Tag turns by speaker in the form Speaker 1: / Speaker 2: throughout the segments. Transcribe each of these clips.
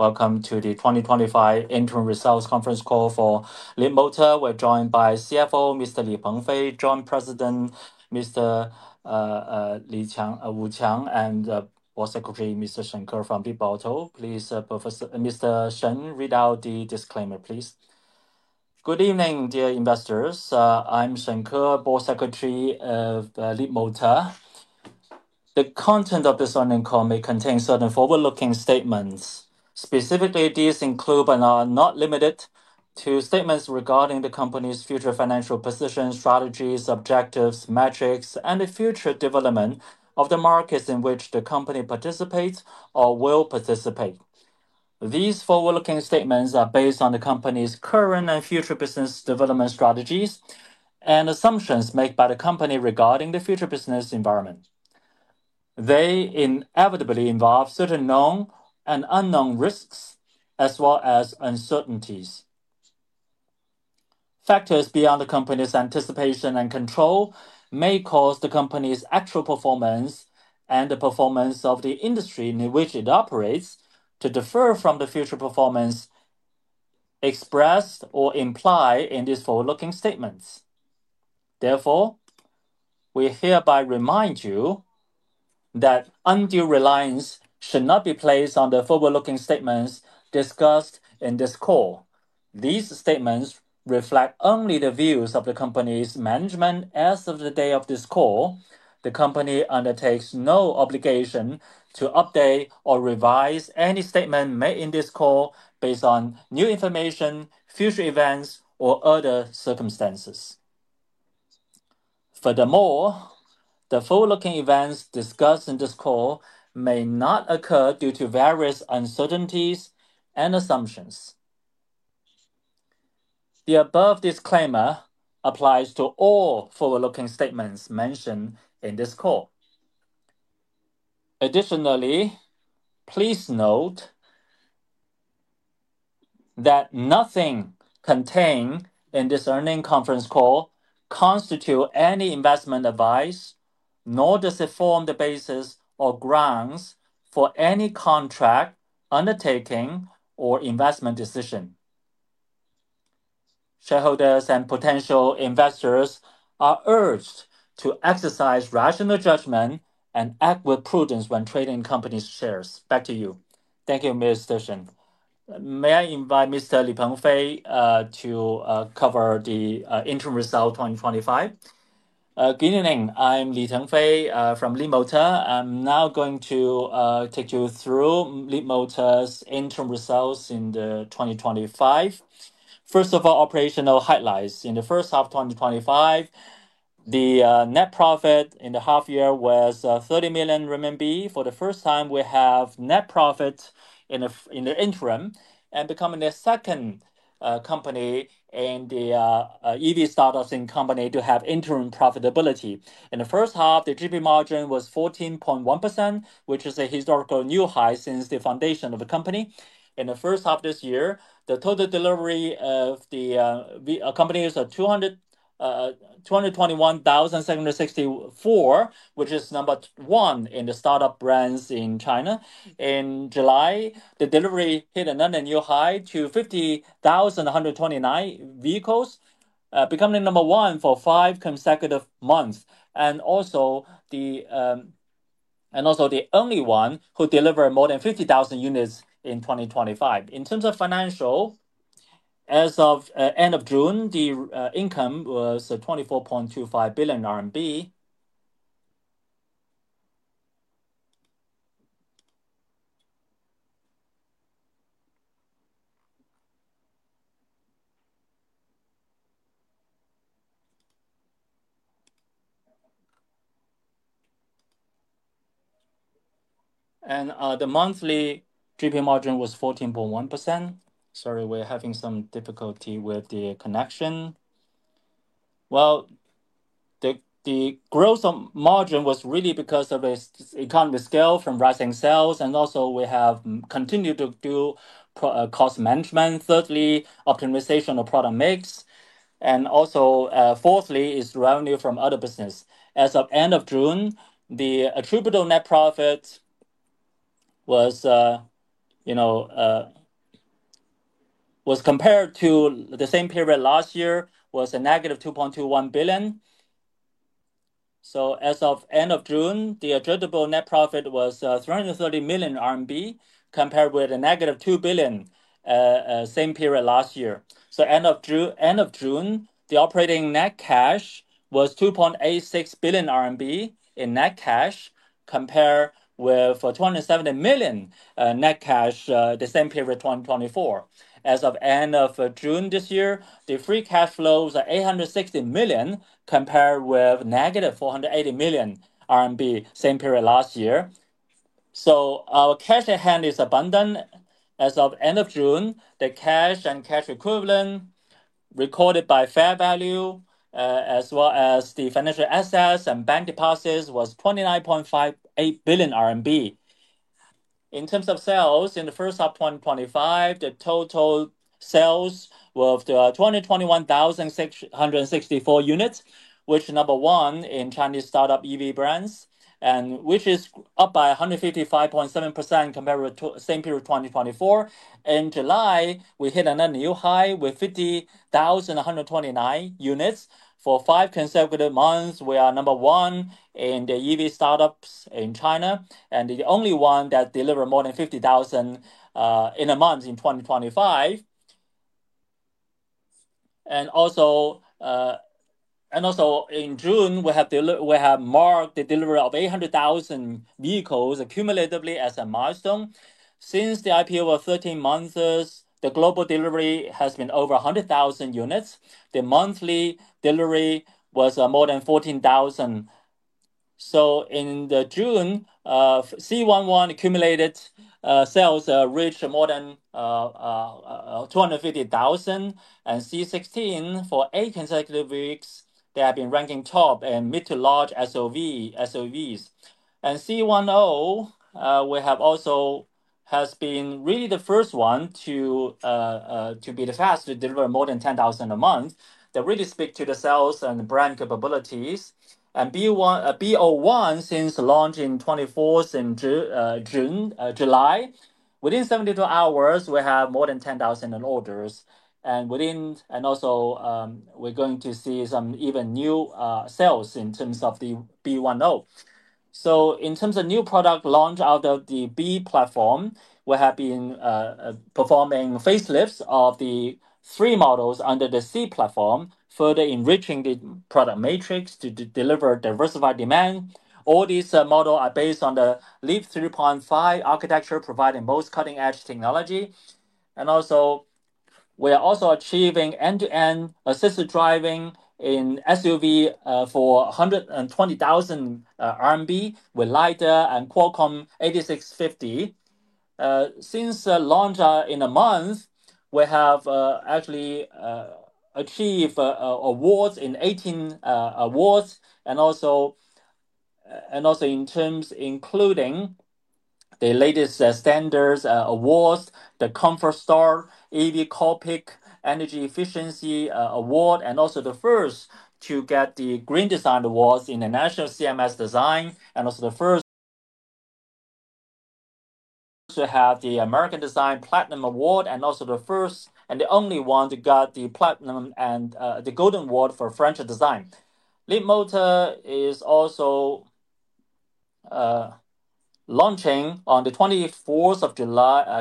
Speaker 1: Welcome to the 2025 Internal Results Conference Call for Leapmotor. We're joined by CFO Mr. Li Tengfei, Joint President Mr. Wu Qiang, and the Board Secretary Mr. Shen Ke from Leapmotor. Please, Professor Mr. Shen, read out the disclaimer, please.
Speaker 2: Good evening, dear investors. I'm Shen Ke, Board Secretary of Leapmotor. The content of this online call may contain certain forward-looking statements. Specifically, these include but are not limited to statements regarding the company's future financial position, strategies, objectives, metrics, and the future development of the markets in which the company participates or will participate. These forward-looking statements are based on the company's current and future business development strategies and assumptions made by the company regarding the future business environment. They inevitably involve certain known and unknown risks, as well as uncertainties. Factors beyond the company's anticipation and control may cause the company's actual performance and the performance of the industry in which it operates to differ from the future performance expressed or implied in these forward-looking statements. Therefore, we hereby remind you that undue reliance should not be placed on the forward-looking statements discussed in this call. These statements reflect only the views of the company's management as of the day of this call. The company undertakes no obligation to update or revise any statement made in this call based on new information, future events, or other circumstances. Furthermore, the forward-looking events discussed in this call may not occur due to various uncertainties and assumptions. The above disclaimer applies to all forward-looking statements mentioned in this call. Additionally, please note that nothing contained in this earning conference call constitutes any investment advice, nor does it form the basis or grounds for any contract undertaking or investment decision. Shareholders and potential investors are urged to exercise rational judgment and act with prudence when trading company shares. Back to you.
Speaker 1: Thank you, Mr. Shen. May I invite Mr. Li Tengfei to cover the Internal Results 2025?
Speaker 3: Good evening. I'm Li Tengfei from Leapmotor. I'm now going to take you through Leapmotor's Internal Results in 2025. First of all, operational headlines. In the first half of 2025, the net profit in the half year was 30 million RMB. For the first time, we have net profit in the interim and becoming the second company in the EV startups in the company to have interim profitability. In the first half, the gross profit margin was 14.1%, which is a historical new high since the foundation of the company. In the first half of this year, the total delivery of the company is 221,764, which is number one in the startup brands in China. In July, the delivery hit another new high to 50,129 vehicles, becoming number one for five consecutive months, and also the only one who delivered more than 50,000 units in 2025. In terms of financial, as of the end of June, the income was 24.25 billion RMB. The monthly gross profit margin was 14.1%. Sorry, we're having some difficulty with the connection. The growth of margin was really because of the economy scale from rising sales, and also we have continued to do cost management. Thirdly, optimization of product mix. Fourthly, is revenue from other business. As of the end of June, the attributable net profit was compared to the same period last year, was a -2.21 billion. As of the end of June, the attributable net profit was 330 million RMB compared with a negative 2 billion same period last year. End of June, the operating net cash was 2.86 billion RMB in net cash compared with 270 million net cash the same period of 2024. As of the end of June this year, the free cash flow was 860 million compared with -480 million RMB same period last year. Our cash at hand is abundant. As of the end of June, the cash and cash equivalent recorded by fair value, as well as the financial assets and bank deposits, was 29.58 billion RMB. In terms of sales, in the first half of 2025, the total sales were 21,664 units, which is number one in Chinese startup EV brands, and which is up by 155.7% compared with the same period of 2024. In July, we hit another new high with 50,129 units. For five consecutive months, we are number one in the EV startups in China and the only one that delivered more than 50,000 in a month in 2025. In June, we have marked the delivery of 800,000 vehicles cumulatively as a milestone. Since the IPO of 13 months, the global delivery has been over 100,000 units. The monthly delivery was more than 14,000. In June, C11 accumulated sales reached more than 250,000, and C16, for eight consecutive weeks, they have been ranking top in mid-to-large SUVs. C10, we have also been really the first one to be the fastest to deliver more than 10,000 a month. They really speak to the sales and brand capabilities. B01, since launching 24th in July, within 72 hours, we have more than 10,000 in orders. We are going to see some even new sales in terms of the B10. In terms of new product launch out of the B platform, we have been performing facelifts of the three models under the C platform, further enriching the product matrix to deliver diversified demand. All these models are based on the LEAP 3.5 architecture, providing most cutting-edge technology. We are also achieving end-to-end assisted driving in SUV for 120,000 RMB with LiDAR and Qualcomm 8650. Since the launch in a month, we have actually achieved awards in 18 awards, including the latest standards awards, the Comfort Store EV Corpic Energy Efficiency Award, the first to get the Green Design Awards in the National CMS Design, the first to have the American Design Platinum Award, and the first and the only one to get the Platinum and the Golden Award for French Design. Leapmotor is also launching on the 24th of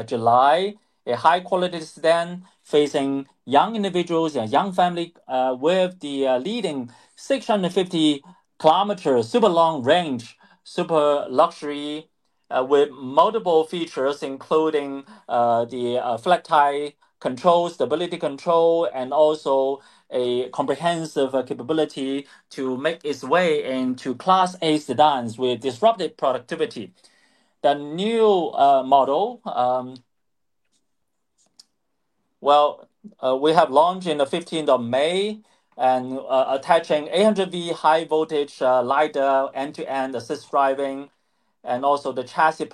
Speaker 3: July, a high-quality sedan facing young individuals and young families, with the leading 650 km super long range, super luxury, with multiple features, including the flat tire control, stability control, and a comprehensive capability to make its way into Class A sedans with disruptive productivity. The new model, we have launched on the 15th of May, attaching 800 V high-voltage LiDAR end-to-end assist driving, and the chassis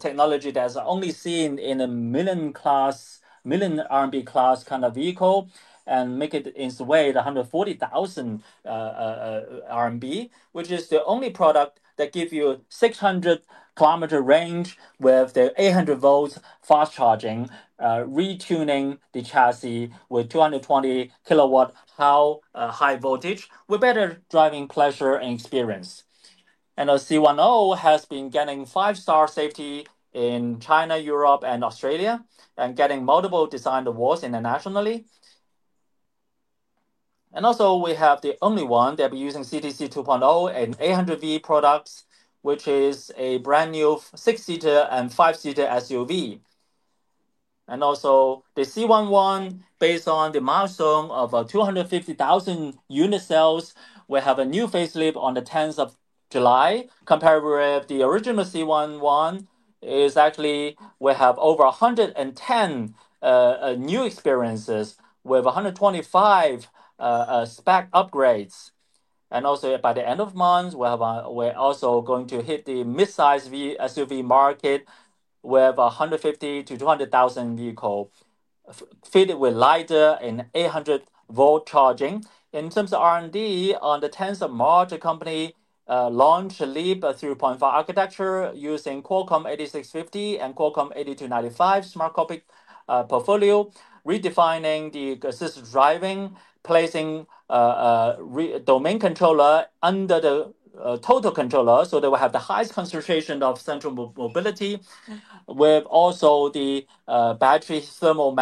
Speaker 3: technology that's only seen in a million RMB class kind of vehicle, and make it its way to 140,000 RMB, which is the only product that gives you 600 km range with the 800 V fast charging, retuning the chassis with 220 kW high voltage with better driving pleasure and experience. Our C10 has been getting five-star safety in China, Europe, and Australia, and getting multiple design awards internationally. We have the only one that we're using CTC 2.0 and 800 V products, which is a brand new six-seater and five-seater SUV. The C11, based on the milestone of 250,000 unit sales, we have a new facelift on the 10th of July, compared with the original C11, is actually we have over 110 new experiences with 125 spec upgrades. By the end of the month, we're also going to hit the mid-size SUV market with 150,000-200,000 vehicles fitted with LiDAR and 800 V charging. In terms of R&D, on March 10, the company launched LEAP 3.5 architecture using Qualcomm 8650 and Qualcomm 8295 smart cockpit portfolio, redefining the assist driving, placing a domain controller under the total controller so that we have the highest concentration of central mobility, with also the battery thermal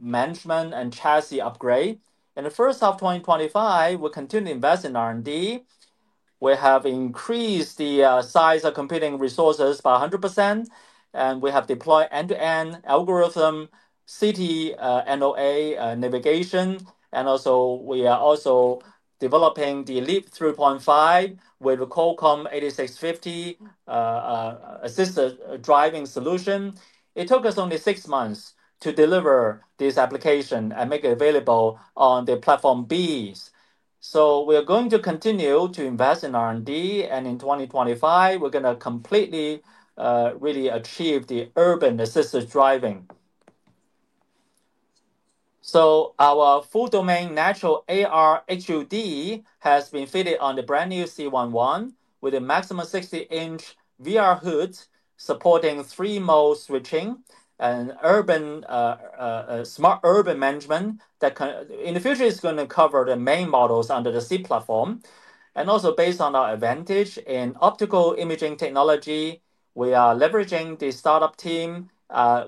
Speaker 3: management and chassis upgrade. In the first half of 2025, we continue to invest in R&D. We have increased the size of computing resources by 100%, and we have deployed end-to-end algorithm, city NOA navigation, and we are also developing the LEAP 3.5 with the Qualcomm 8650 assisted driving solution. It took us only six months to deliver this application and make it available on the platform Bs. We are going to continue to invest in R&D, and in 2025, we're going to completely really achieve the urban assisted driving. Our full-domain natural AR HUD has been fitted on the brand new C11 with a maximum 60-inch VR HUD supporting three mode switching and smart urban management that in the future is going to cover the main models under the C platform. Based on our advantage in optical imaging technology, we are leveraging the startup team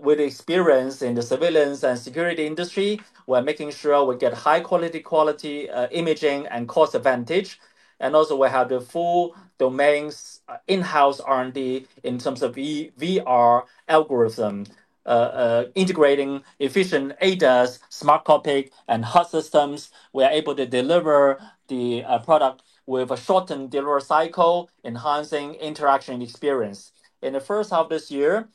Speaker 3: with experience in the surveillance and security industry. We're making sure we get high-quality imaging and cost advantage. We have the full domain's in-house R&D in terms of VR algorithm, integrating efficient ADAS, smart cockpit, and HUD systems. We are able to deliver the product with a shortened delivery cycle, enhancing interaction experience. In the first half of this year,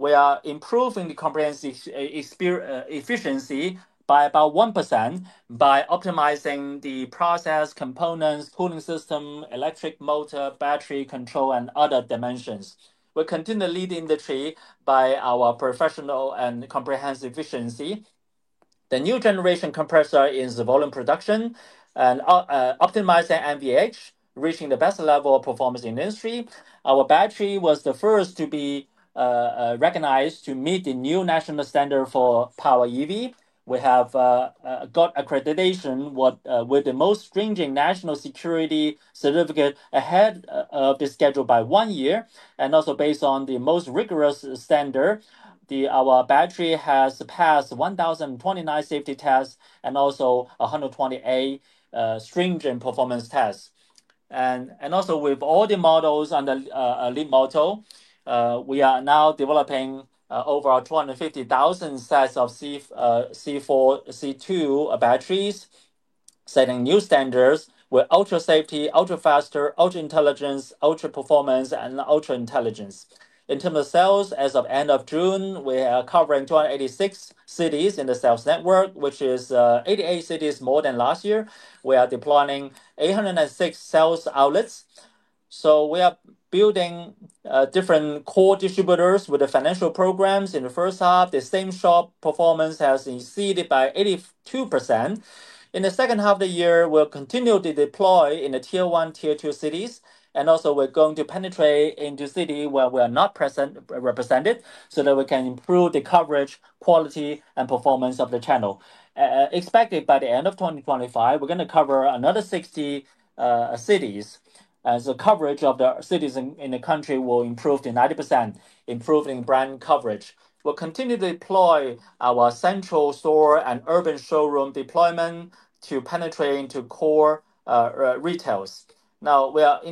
Speaker 3: we are improving the comprehensive efficiency by about 1% by optimizing the process components, cooling system, electric motor, battery control, and other dimensions. We continue to lead the industry by our professional and comprehensive efficiency. The new generation compressor is volume production and optimizing NVH, reaching the best level of performance in the industry. Our battery was the first to be recognized to meet the new national standard for power EV. We have got accreditation with the most stringent national security certificate ahead of the schedule by one year. Based on the most rigorous standard, our battery has passed 1,029 safety tests and 120A stringent performance tests. Also, with all the models under Leapmotor, we are now developing over 250,000 sets of C4, C2 batteries, setting new standards with ultra safety, ultra faster, ultra intelligence, ultra performance, and ultra intelligence. In terms of sales, as of the end of June, we are covering 286 cities in the sales network, which is 88 cities more than last year. We are deploying 806 sales outlets. We are building different core distributors with the financial programs in the first half. The same shop performance has exceeded by 82%. In the second half of the year, we will continue to deploy in the tier one, tier two cities. We are going to penetrate into cities where we are not represented so that we can improve the coverage, quality, and performance of the channel. Expected by the end of 2025, we are going to cover another 60 cities. Coverage of the cities in the country will improve to 90%, improving brand coverage. We will continue to deploy our central store and urban showroom deployment to penetrate into core retails. In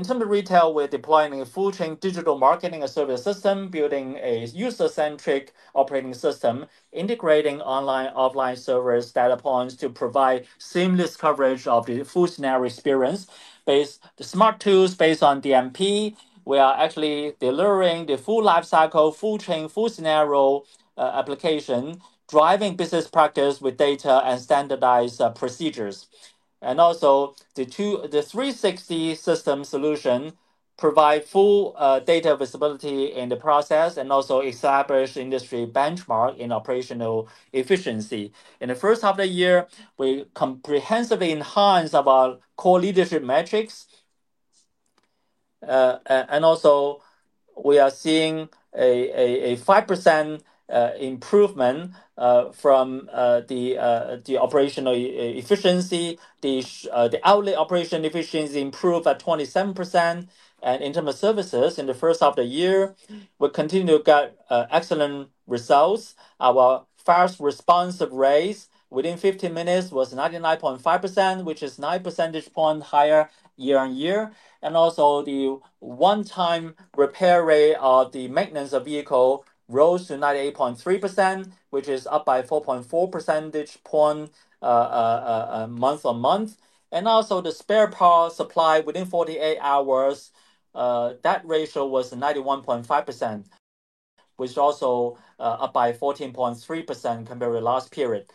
Speaker 3: terms of retail, we are deploying a full-chain digital marketing and service system, building a user-centric operating system, integrating online, offline servers, data points to provide seamless coverage of the full scenario experience based on the smart tools based on DMP. We are actually delivering the full life cycle, full chain, full scenario application, driving business practice with data and standardized procedures. The 360 system solution provides full data visibility in the process and also establishes industry benchmark in operational efficiency. In the first half of the year, we comprehensively enhance our core leadership metrics. We are seeing a 5% improvement from the operational efficiency. The outlet operation efficiency improved by 27%. In terms of services, in the first half of the year, we continue to get excellent results. Our fast response rate within 15 minutes was 99.5%, which is 9 percentage points higher year-on-year. The one-time repair rate of the maintenance of vehicle rose to 98.3%, which is up by 4.4 percentage points month on month. The spare power supply within 48 hours, that ratio was 91.5%, which is also up by 14.3% compared to last period.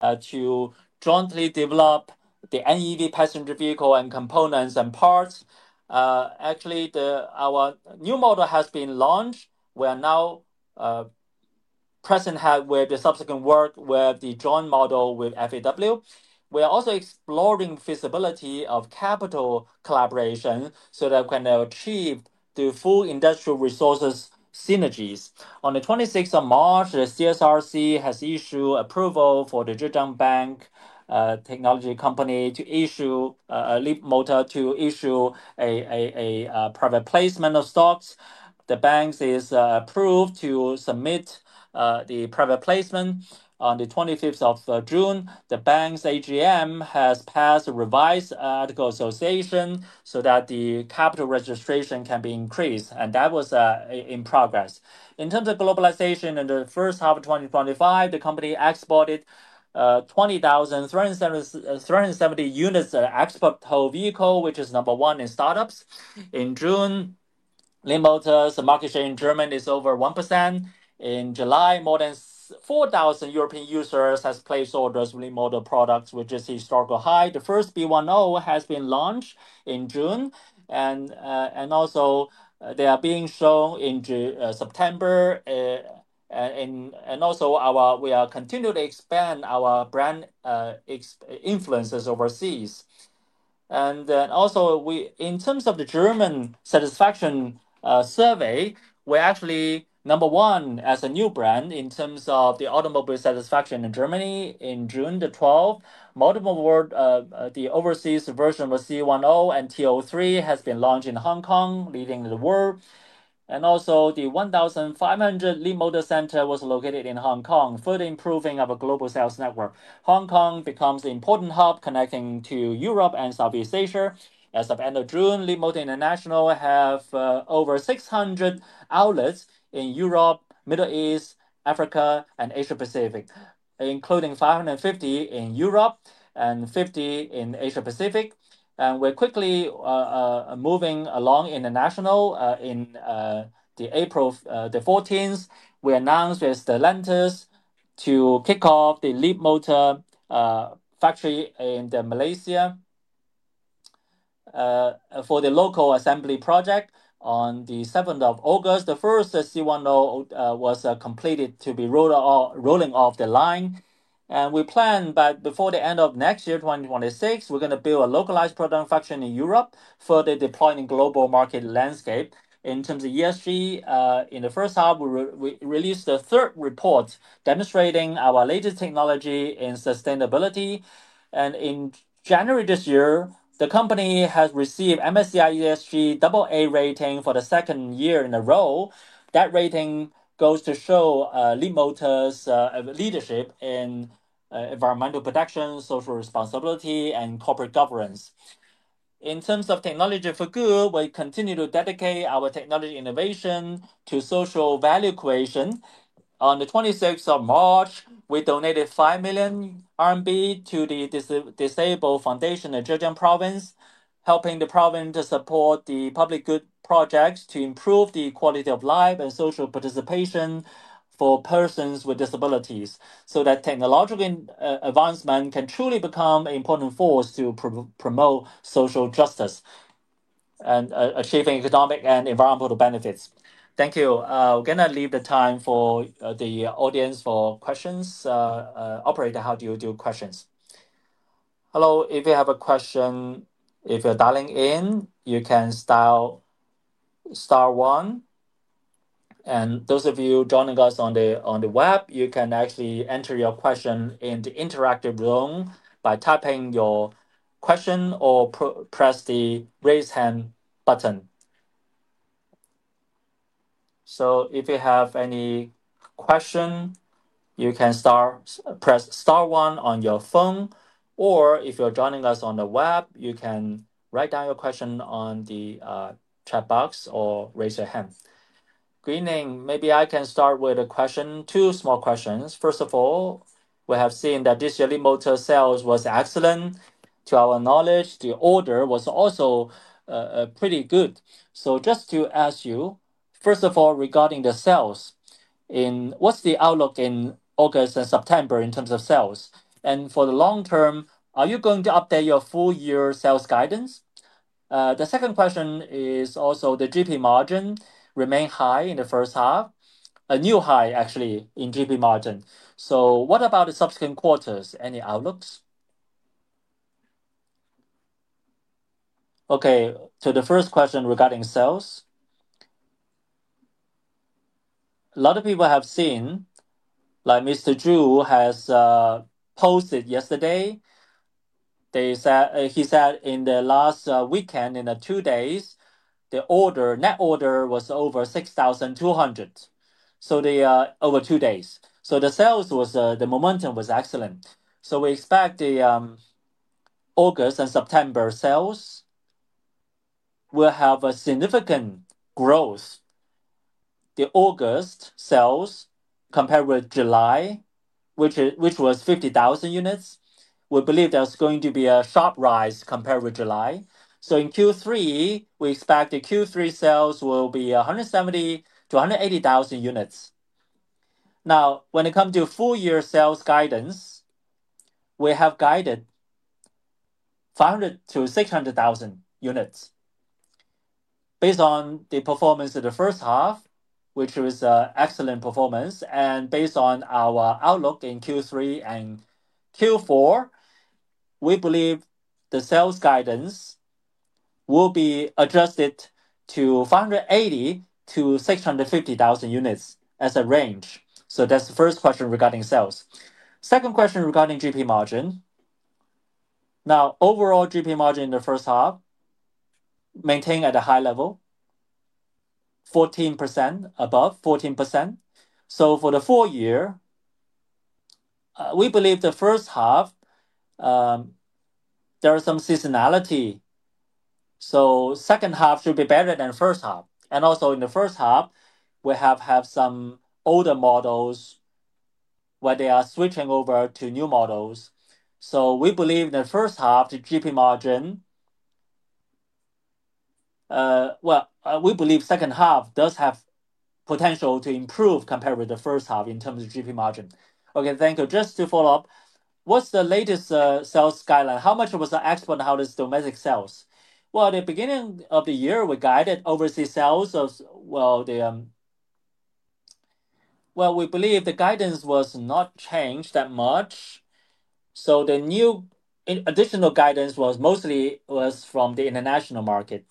Speaker 3: To jointly develop the NEV passenger vehicle and components and parts, our new model has been launched. We are now present with the subsequent work with the joint model with FEW. We are also exploring feasibility of capital collaboration so that we can achieve the full industrial resources synergies. On the 26th of March, the CSRC has issued approval for Zhejiang Leapmotor Technology Co. to issue a private placement of stocks. The bank is approved to submit the private placement on the 25th of June. The bank's AGM has passed a revised ethical association so that the capital registration can be increased. That was in progress. In terms of globalization, in the first half of 2025, the company exported 20,370 units of export tow vehicle, which is number one in startups. In June, Leapmotor's market share in Germany is over 1%. In July, more than 4,000 European users have placed orders for Leapmotor products, which is a historical high. The first B10 has been launched in June. They are being shown in September. We are continuing to expand our brand influences overseas. In terms of the German satisfaction survey, we're actually number one as a new brand in terms of the automobile satisfaction in Germany. On June 12th, multiple world, the overseas version of the C10 and T03 has been launched in Hong Kong, leading the world. The 1,500 Leapmotor center was located in Hong Kong, further improving our global sales network. Hong Kong becomes an important hub connecting to Europe and Southeast Asia. As of the end of June, Leapmotor International has over 600 outlets in Europe, Middle East, Africa, and Asia-Pacific, including 550 in Europe and 50 in Asia-Pacific. We're quickly moving along international. On April 14th, we announced the lanterns to kick off the Leapmotor factory in Malaysia for the local assembly project. On the 7th of August, the first C10 was completed to be rolling off the line. We plan, before the end of next year, 2026, we're going to build a localized production factory in Europe, further deploying the global market landscape. In terms of ESG, in the first half, we released the third report demonstrating our latest technology in sustainability. In January this year, the company has received MSCI ESG AA rating for the second year in a row. That rating goes to show Leapmotor's leadership in environmental protection, social responsibility, and corporate governance. In terms of technology for good, we continue to dedicate our technology innovation to social value creation. On the 26th of March, we donated 5 million RMB to the Disabled Foundation in Zhejiang Province, helping the province to support the public good projects to improve the quality of life and social participation for persons with disabilities so that technological advancement can truly become an important force to promote social justice and achieving economic and environmental benefits. Thank you. We're going to leave the time for the audience for questions. Operator, how do you do questions?
Speaker 1: Hello. If you have a question, if you're dialing in, you can dial star one. Those of you joining us on the web, you can actually enter your question in the interactive room by typing your question or press the raise hand button. If you have any question, you can start press star one on your phone. If you're joining us on the web, you can write down your question on the chat box or raise your hand. Good evening. Maybe I can start with a question, two small questions. First of all, we have seen that this year Leapmotor sales were excellent. To our knowledge, the order was also pretty good. Just to ask you, first of all, regarding the sales, what's the outlook in August and September in terms of sales? For the long term, are you going to update your full-year sales guidance? The second question is also the GP margin remained high in the first half, a new high actually in GP margin. What about the subsequent quarters? Any outlooks?
Speaker 3: OK, to the first question regarding sales, a lot of people have seen, like Mr. Zhu has posted yesterday. He said in the last weekend, in the two days, the net order was over 6,200. Over two days. The sales was, the momentum was excellent. We expect the August and September sales will have a significant growth. The August sales compared with July, which was 50,000 units, we believe there's going to be a sharp rise compared with July. In Q3, we expect the Q3 sales will be 170,000-180,000 units. When it comes to full-year sales guidance, we have guided 500,000-600,000 units. Based on the performance of the first half, which was an excellent performance, and based on our outlook in Q3 and Q4, we believe the sales guidance will be adjusted to 580,000-650,000 units as a range. That's the first question regarding sales. Second question regarding GP margin. Overall GP margin in the first half maintained at a high level, 14%, above 14%. For the full year, we believe the first half, there is some seasonality. The second half should be better than the first half. In the first half, we have had some older models where they are switching over to new models. We believe in the first half, the gross profit margin, we believe the second half does have potential to improve compared with the first half in terms of gross profit margin. Thank you. Just to follow up, what's the latest sales guideline? How much was the export and how does domestic sales? At the beginning of the year, we guided overseas sales. We believe the guidance was not changed that much. The new additional guidance was mostly from the international market.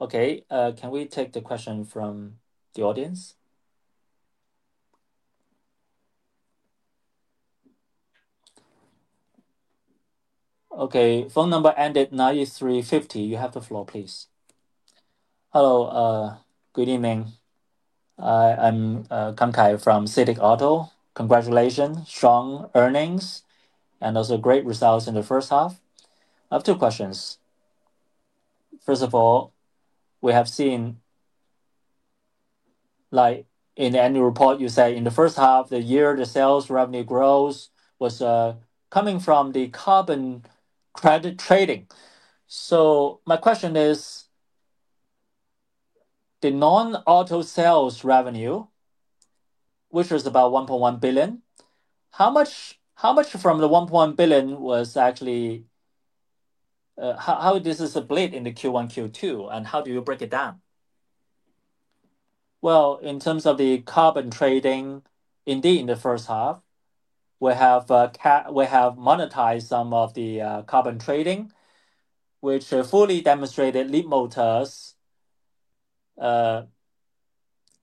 Speaker 1: Can we take the question from the audience? Phone number ended 9350. You have the floor, please. Hello. Good evening. I'm Kangkai from Civic Auto. Congratulations, strong earnings, and also great results in the first half. I have two questions. First of all, we have seen, like in the annual report, you say in the first half of the year, the sales revenue growth was coming from the carbon credit trading. My question is, the non-auto sales revenue, which was about 1.1 billion, how much from the 1.1 billion was actually, how this is split in Q1, Q2, and how do you break it down?
Speaker 3: In terms of the carbon trading, indeed, in the first half, we have monetized some of the carbon trading, which fully demonstrated Leapmotor's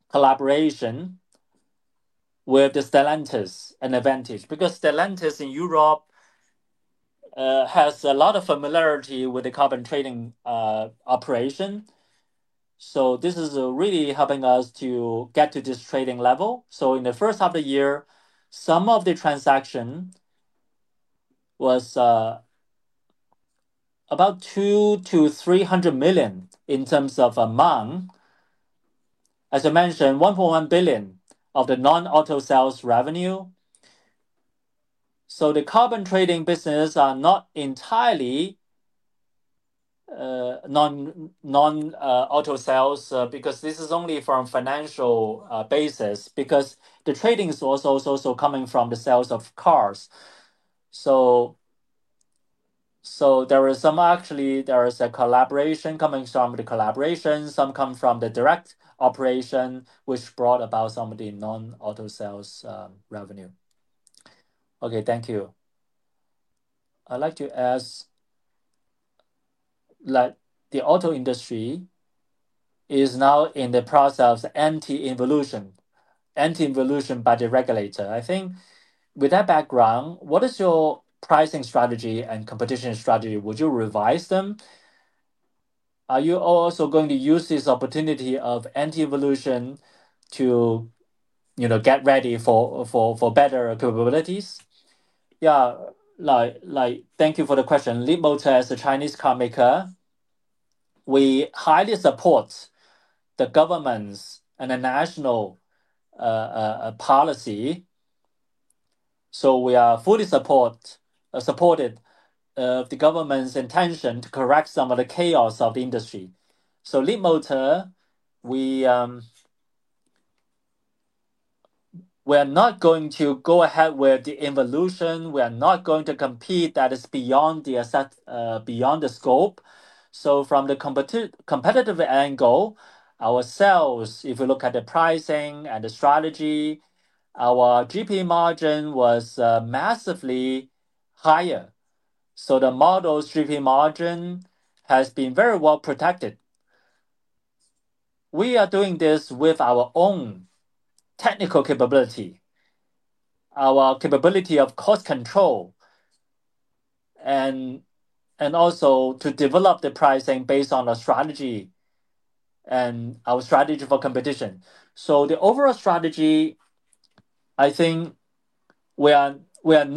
Speaker 3: collaboration with Stellantis and advantage. Because Stellantis in Europe has a lot of familiarity with the carbon trading operation, this is really helping us to get to this trading level. In the first half of the year, some of the transaction was about 200 million-300 million in terms of a month. As I mentioned, 1.1 billion of the non-auto sales revenue. The carbon trading business is not entirely non-auto sales because this is only from a financial basis, because the trading is also coming from the sales of cars. There is some, actually, there is a collaboration coming from the collaboration. Some come from the direct operation, which brought about some of the non-auto sales revenue. Thank you. I'd like to ask, like the auto industry is now in the process of anti-involution, anti-involution by the regulator. I think with that background, what is your pricing strategy and competition strategy? Would you revise them? Are you also going to use this opportunity of anti-involution to get ready for better capabilities? Yeah, thank you for the question. Leapmotor, as a Chinese car maker, we highly support the government's and the national policy. We are fully supportive of the government's intention to correct some of the chaos of the industry. Leapmotor, we are not going to go ahead with the involution. We are not going to compete that is beyond the scope. From the competitive angle, ourselves, if you look at the pricing and the strategy, our gross profit margin was massively higher. The model's gross profit margin has been very well protected. We are doing this with our own technical capability, our capability of cost control, and also to develop the pricing based on our strategy and our strategy for competition. The overall strategy, I think we are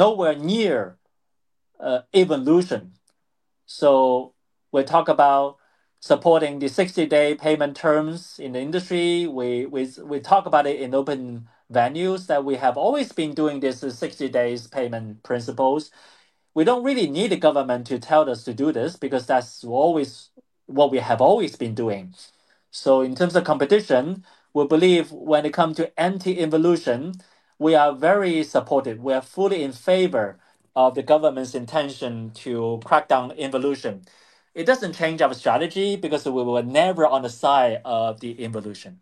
Speaker 3: nowhere near involution. We talk about supporting the 60-day payment terms in the industry. We talk about it in open venues that we have always been doing this 60 days payment principles. We don't really need the government to tell us to do this because that's what we have always been doing. In terms of competition, we believe when it comes to anti-involution, we are very supportive. We are fully in favor of the government's intention to crack down involution. It doesn't change our strategy because we were never on the side of the involution.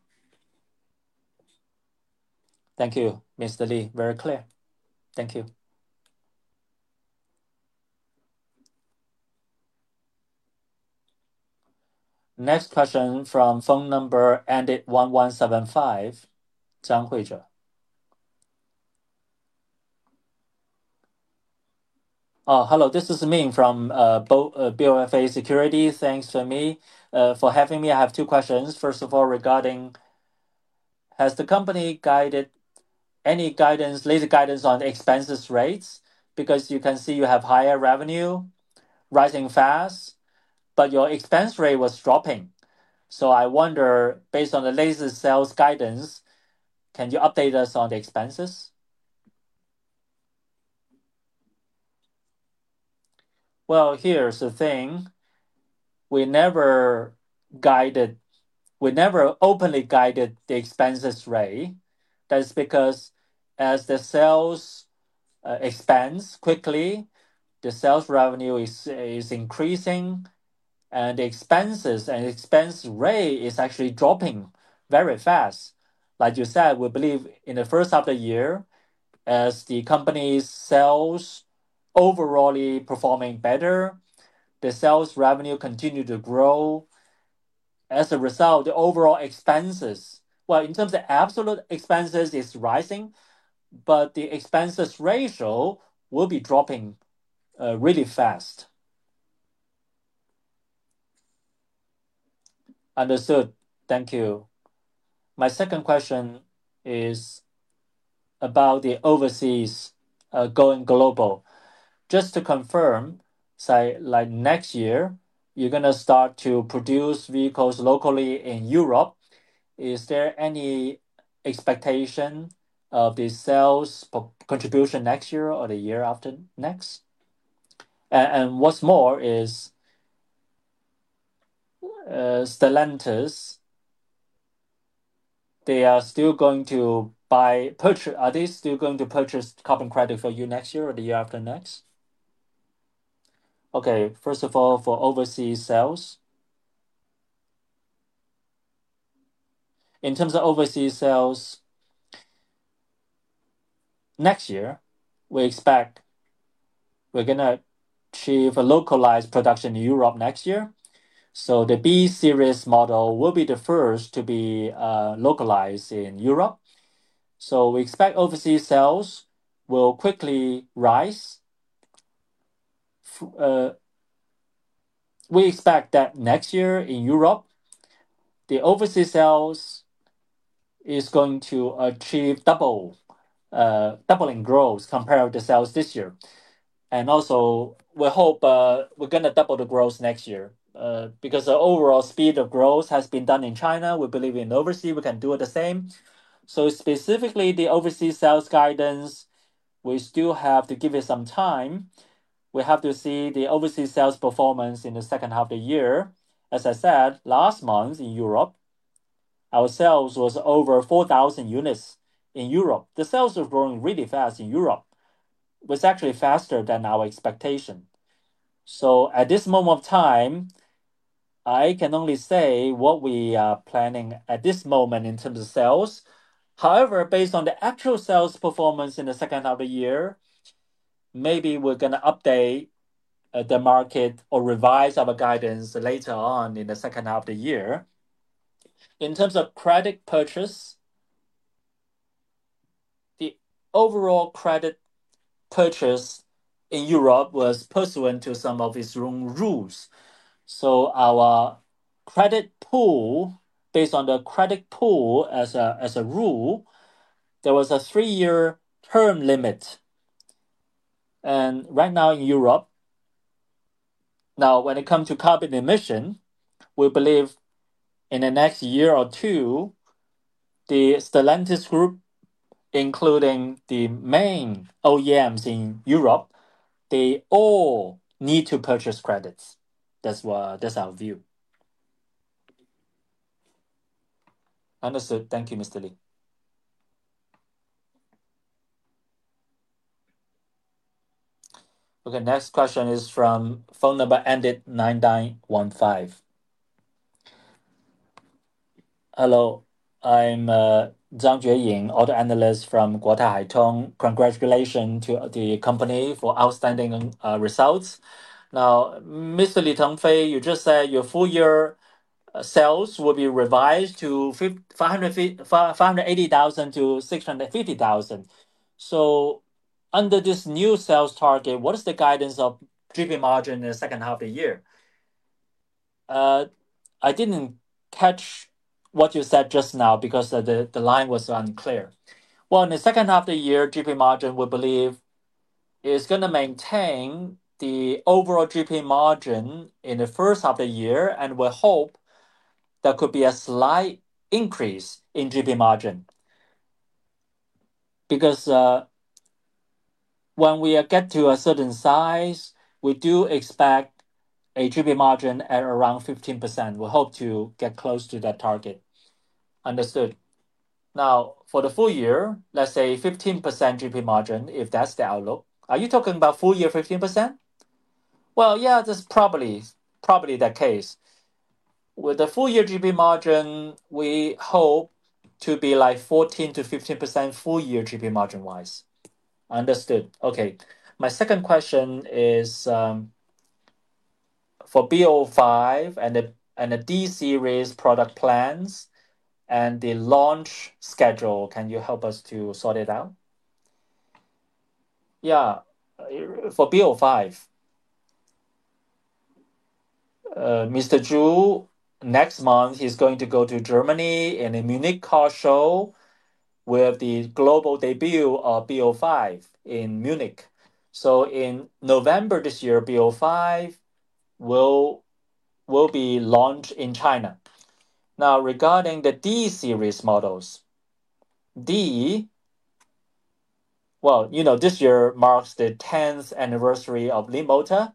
Speaker 3: Thank you, Mr. Li. Very clear. Thank you.
Speaker 1: Next question from phone number ended 1175. Zhang Huizhou. Hello. This is Ming from BofA Securities. Thanks, Ming, for having me. I have two questions. First of all, regarding has the company guided any latest guidance on expenses rates? Because you can see you have higher revenue rising fast, but your expense rate was dropping. I wonder, based on the latest sales guidance, can you update us on the expenses?
Speaker 3: Here's the thing. We never openly guided the expenses rate. That's because as the sales expand quickly, the sales revenue is increasing, and the expense rate is actually dropping very fast. Like you said, we believe in the first half of the year, as the company's sales overall are performing better, the sales revenue continues to grow. As a result, the overall expenses, in terms of absolute expenses, it's rising, but the expenses ratio will be dropping really fast. Understood. Thank you. My second question is about the overseas going global. Just to confirm, say like next year, you're going to start to produce vehicles locally in Europe. Is there any expectation of the sales contribution next year or the year after next? What's more is Stellantis, are they still going to purchase carbon credit for you next year or the year after next? First of all, for overseas sales, in terms of overseas sales next year, we expect we're going to achieve a localized production in Europe next year. The B-series model will be the first to be localized in Europe. We expect overseas sales will quickly rise. We expect that next year in Europe, the overseas sales are going to achieve doubling growth compared to the sales this year. We hope we're going to double the growth next year because the overall speed of growth has been done in China. We believe in overseas, we can do the same. Specifically, the overseas sales guidance, we still have to give it some time. We have to see the overseas sales performance in the second half of the year. As I said, last month in Europe, our sales were over 4,000 units in Europe. The sales are growing really fast in Europe. It was actually faster than our expectation. At this moment of time, I can only say what we are planning at this moment in terms of sales. However, based on the actual sales performance in the second half of the year, maybe we're going to update the market or revise our guidance later on in the second half of the year. In terms of credit purchase, the overall credit purchase in Europe was pursuant to some of its own rules. Our credit pool, based on the credit pool as a rule, there was a three-year term limit. Right now in Europe, when it comes to carbon emission, we believe in the next year or two, the Stellantis group, including the main OEMs in Europe, they all need to purchase credits. That's our view. Understood. Thank you, Mr. Li.
Speaker 1: Next question is from phone number ended 9915. Hello. I'm Zhang Jueying, auto analyst from Guotahaitong. Congratulations to the company for outstanding results. Mr. Li Tengfei, you just said your full-year sales will be revised to 580,000-650,000. Under this new sales target, what is the guidance of gross profit margin in the second half of the year?
Speaker 3: I didn't catch what you said just now because the line was unclear. In the second half of the year, gross profit margin, we believe, is going to maintain the overall gross profit margin in the first half of the year. We hope there could be a slight increase in gross profit margin. When we get to a certain size, we do expect a gross profit margin at around 15%. We hope to get close to that target. Understood. Now, for the full year, let's say 15% GP margin, if that's the outlook. Are you talking about full year 15%? Yeah, that's probably the case. With the full year GP margin, we hope to be like 14% to 15% full year GP margin-wise. Understood. OK, my second question is for B05 and the D-series product plans and the launch schedule. Can you help us to sort it out? Yeah, for B05. Mr. Zhu, next month, he's going to go to Germany in a Munich car show with the global debut of B05 in Munich. In November this year, B05 will be launched in China. Now, regarding the D-series models, D, you know this year marks the 10th anniversary of Leapmotor.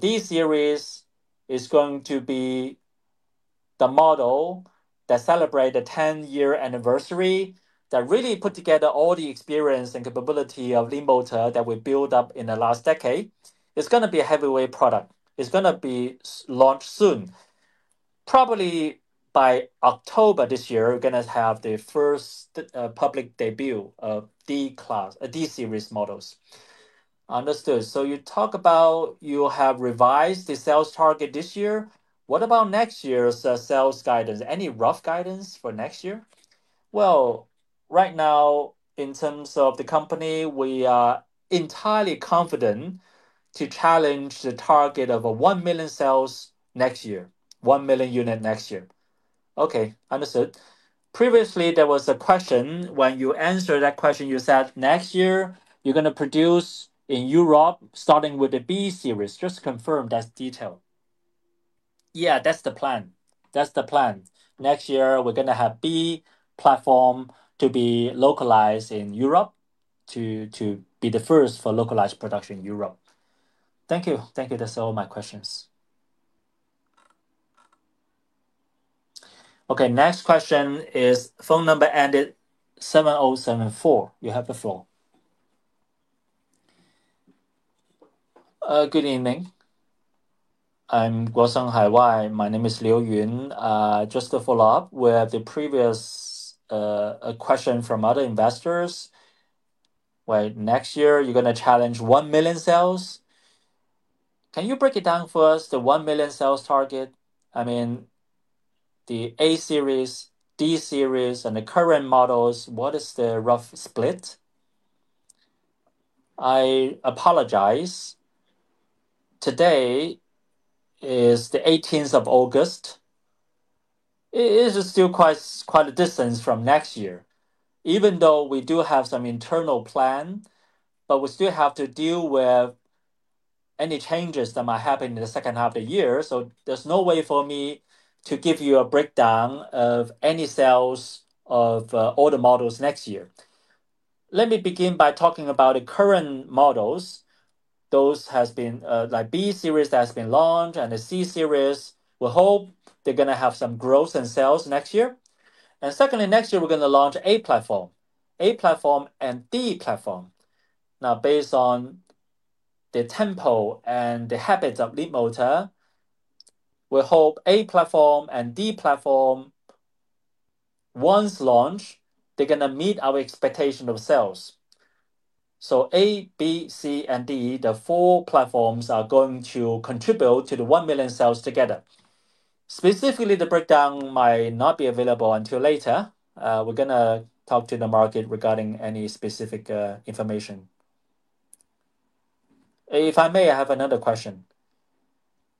Speaker 3: D-series is going to be the model that celebrates the 10-year anniversary that really puts together all the experience and capability of Leapmotor that we built up in the last decade. It's going to be a heavyweight product. It's going to be launched soon. Probably by October this year, we're going to have the first public debut of D-class, D-series models. Understood. You talk about you have revised the sales target this year. What about next year's sales guidance? Any rough guidance for next year? Right now, in terms of the company, we are entirely confident to challenge the target of 1 million sales next year, 1 million units next year. OK, understood. Previously, there was a question. When you answered that question, you said next year, you're going to produce in Europe, starting with the B-series. Just confirm that detail. Yeah, that's the plan. That's the plan. Next year, we're going to have B platform to be localized in Europe, to be the first for localized production in Europe. Thank you. Thank you. That's all my questions.
Speaker 1: OK, next question is phone number ended 7074. You have the floor. Good evening. I'm Guosong Haiwei. My name is Liu Yun. Just to follow up with the previous question from other investors, next year, you're going to challenge 1 million sales. Can you break it down for us, the 1 million sales target? I mean, the A-series, D-series, and the current models, what is the rough split?
Speaker 3: I apologize. Today is the 18th of August. It is still quite a distance from next year. Even though we do have some internal plan, we still have to deal with any changes that might happen in the second half of the year. There's no way for me to give you a breakdown of any sales of all the models next year. Let me begin by talking about the current models. Those have been like B-series that have been launched and the C-series. We hope they're going to have some growth in sales next year. Secondly, next year, we're going to launch A platform, A platform, and D platform. Now, based on the tempo and the habits of Leapmotor, we hope A platform and D platform, once launched, they're going to meet our expectation of sales. So A, B, C, and D, the four platforms are going to contribute to the 1 million sales together. Specifically, the breakdown might not be available until later. We're going to talk to the market regarding any specific information. If I may, I have another question.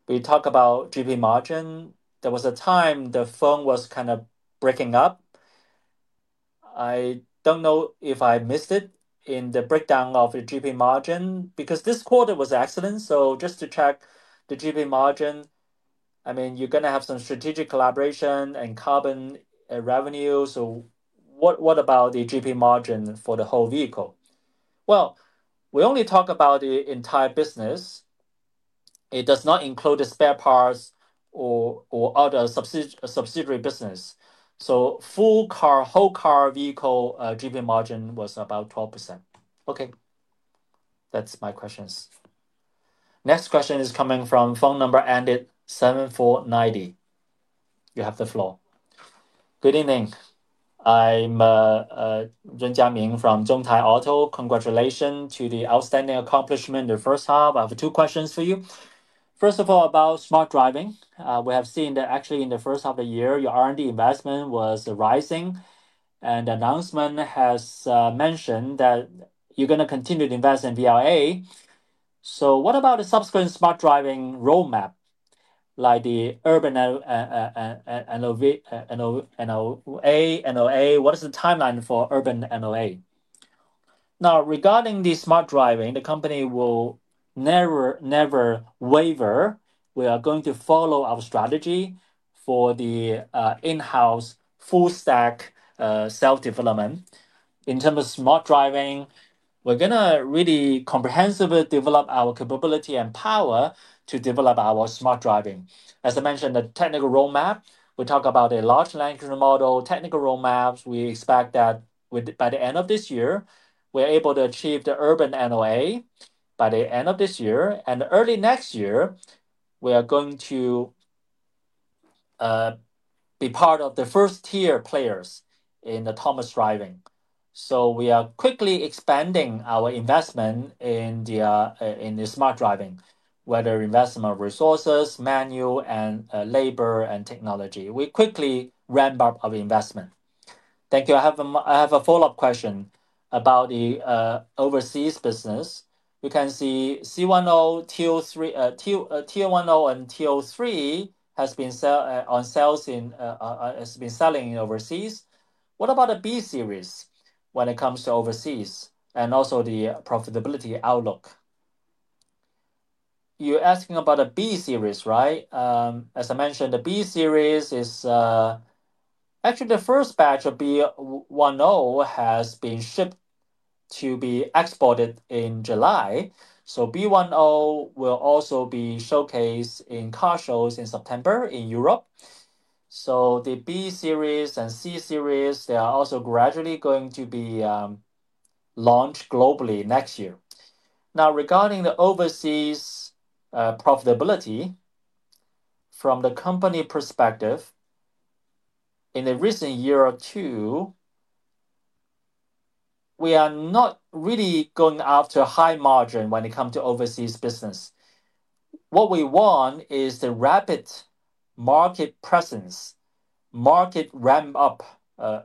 Speaker 3: We talked about GP margin. There was a time the phone was kind of breaking up. I don't know if I missed it in the breakdown of the GP margin because this quarter was excellent. Just to check the GP margin, I mean, you're going to have some strategic collaboration and carbon revenue. What about the GP margin for the whole vehicle? We only talk about the entire business. It does not include the spare parts or other subsidiary business. Full car, whole car vehicle GP margin was about 12%. OK, that's my questions.
Speaker 1: Next question is coming from phone number ended 7490. You have the floor. Good evening. I'm Zhen Jia Ming from Zhongtai Auto. Congratulations to the outstanding accomplishment in the first half. I have two questions for you. First of all, about smart driving. We have seen that actually in the first half of the year, your R&D investment was rising. The announcement has mentioned that you're going to continue to invest in VLA. What about the subsequent smart driving roadmap, like the Urban NOA? What is the timeline for Urban NOA?
Speaker 3: Now, regarding the smart driving, the company will never waver. We are going to follow our strategy for the in-house full stack self-development. In terms of smart driving, we're going to really comprehensively develop our capability and power to develop our smart driving. As I mentioned, the technical roadmap, we talk about a large language model, technical roadmaps. We expect that by the end of this year, we're able to achieve the Urban NOA. By the end of this year and early next year, we are going to be part of the first-tier players in autonomous driving. We are quickly expanding our investment in the smart driving, whether investment of resources, manual, and labor, and technology. We quickly ramp up our investment. Thank you. I have a follow-up question about the overseas business. You can see T10 and T03 have been selling overseas. What about the B-series when it comes to overseas and also the profitability outlook? You're asking about the B-series, right? As I mentioned, the B-series is actually the first batch of B10 has been shipped to be exported in July. B10 will also be showcased in car shows in September in Europe. The B-series and C-series, they are also gradually going to be launched globally next year. Now, regarding the overseas profitability from the company perspective, in the recent year or two, we are not really going after high margin when it comes to overseas business. What we want is the rapid market presence, market ramp-up.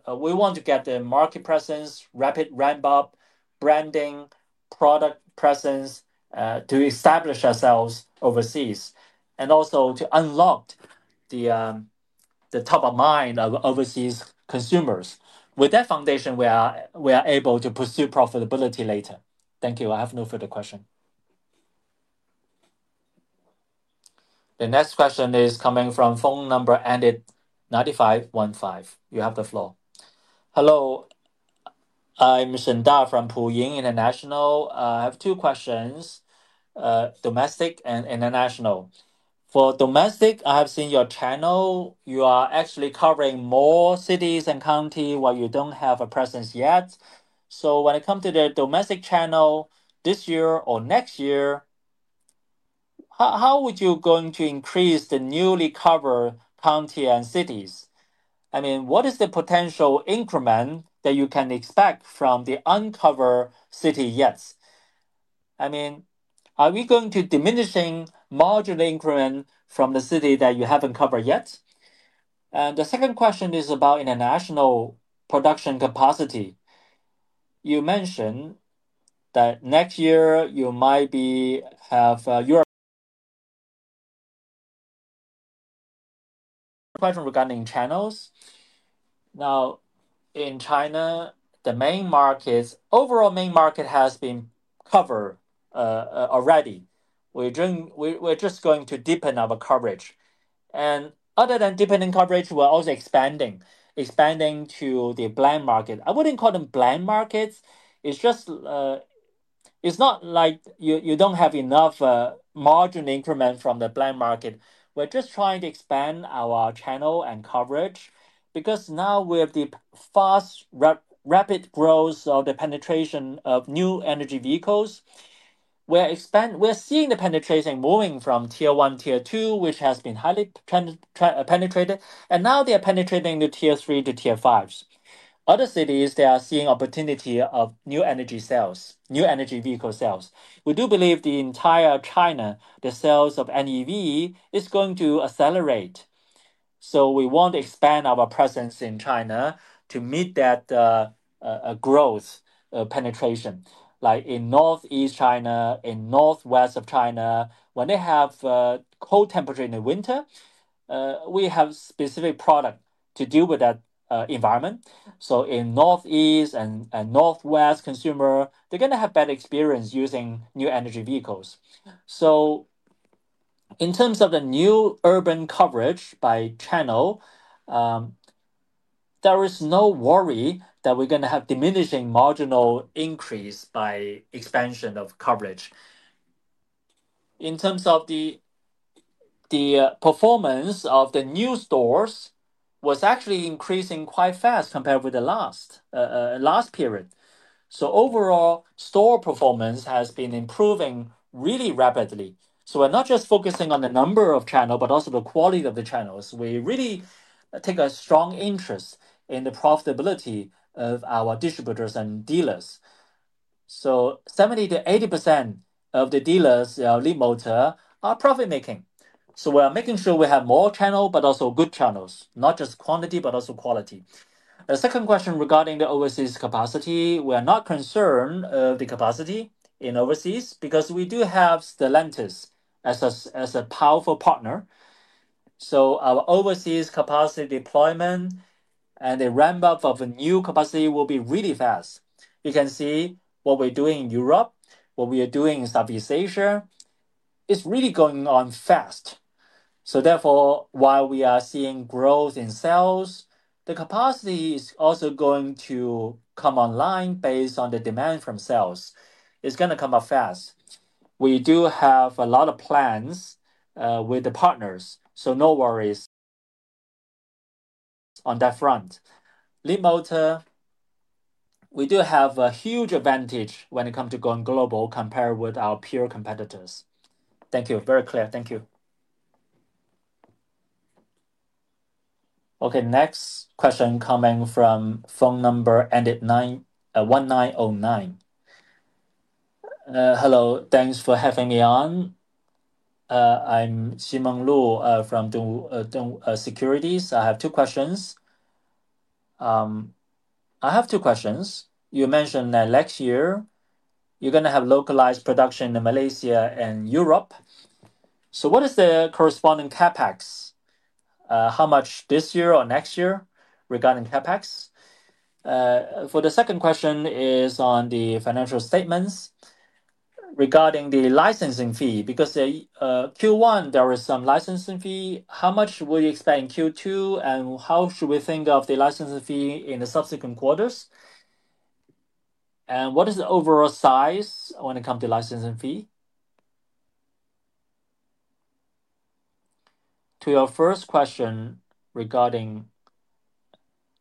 Speaker 3: We want to get the market presence, rapid ramp-up, branding, product presence to establish ourselves overseas and also to unlock the top of mind of overseas consumers. With that foundation, we are able to pursue profitability later. Thank you. I have no further question.
Speaker 1: The next question is coming from phone number ended 9515. You have the floor. Hello. I'm Zhen Da from Puying International. I have two questions, domestic and international. For domestic, I have seen your channel. You are actually covering more cities and counties where you don't have a presence yet. When it comes to the domestic channel this year or next year, how are you going to increase the newly covered counties and cities? What is the potential increment that you can expect from the uncovered cities yet? Are we going to diminish margin increment from the cities that you haven't covered yet?
Speaker 3: The second question is about international production capacity. You mentioned that next year you might have Europe's question regarding channels. In China, the main markets, overall main market has been covered already. We're just going to deepen our coverage. Other than deepening coverage, we're also expanding, expanding to the bland market. I wouldn't call them bland markets. It's just, it's not like you don't have enough margin increment from the bland market. We're just trying to expand our channel and coverage because now with the fast, rapid growth of the penetration of new energy vehicles, we're seeing the penetration moving from Tier 1, Tier 2, which has been highly penetrated. Now they are penetrating the Tier 3 to Tier 5s. Other cities, they are seeing opportunity of new energy sales, new energy vehicle sales. We do believe the entire China, the sales of NEV is going to accelerate. We want to expand our presence in China to meet that growth penetration. Like in Northeast China, in Northwest of China, when they have cold temperatures in the winter, we have a specific product to deal with that environment. In Northeast and Northwest consumer, they're going to have better experience using new energy vehicles. In terms of the new urban coverage by channel, there is no worry that we're going to have diminishing marginal increase by expansion of coverage. In terms of the performance of the new stores, it was actually increasing quite fast compared with the last period. Overall, store performance has been improving really rapidly. We're not just focusing on the number of channels, but also the quality of the channels. We really take a strong interest in the profitability of our distributors and dealers. 70%-80% of the dealers in Leapmotor are profit-making. We are making sure we have more channels, but also good channels, not just quantity, but also quality. A second question regarding the overseas capacity. We are not concerned about the capacity in overseas because we do have Stellantis as a powerful partner. Our overseas capacity deployment and the ramp-up of new capacity will be really fast. You can see what we're doing in Europe, what we are doing in Southeast Asia. It's really going on fast. Therefore, while we are seeing growth in sales, the capacity is also going to come online based on the demand from sales. It's going to come up fast. We do have a lot of plans with the partners. No worries on that front. Leapmotor, we do have a huge advantage when it comes to going global compared with our peer competitors. Thank you. Very clear. Thank you.
Speaker 1: OK, next question coming from phone number ended 1909. Hello. Thanks for having me on. I'm Ximeng Lu from Dong Securities. I have two questions. You mentioned that next year, you're going to have localized production in Malaysia and Europe. What is the corresponding CapEx? How much this year or next year regarding CapEx? For the second question, it is on the financial statements regarding the licensing fee. Because in Q1, there is some licensing fee. How much will you expect in Q2? How should we think of the licensing fee in the subsequent quarters? What is the overall size when it comes to licensing fee?
Speaker 3: To your first question regarding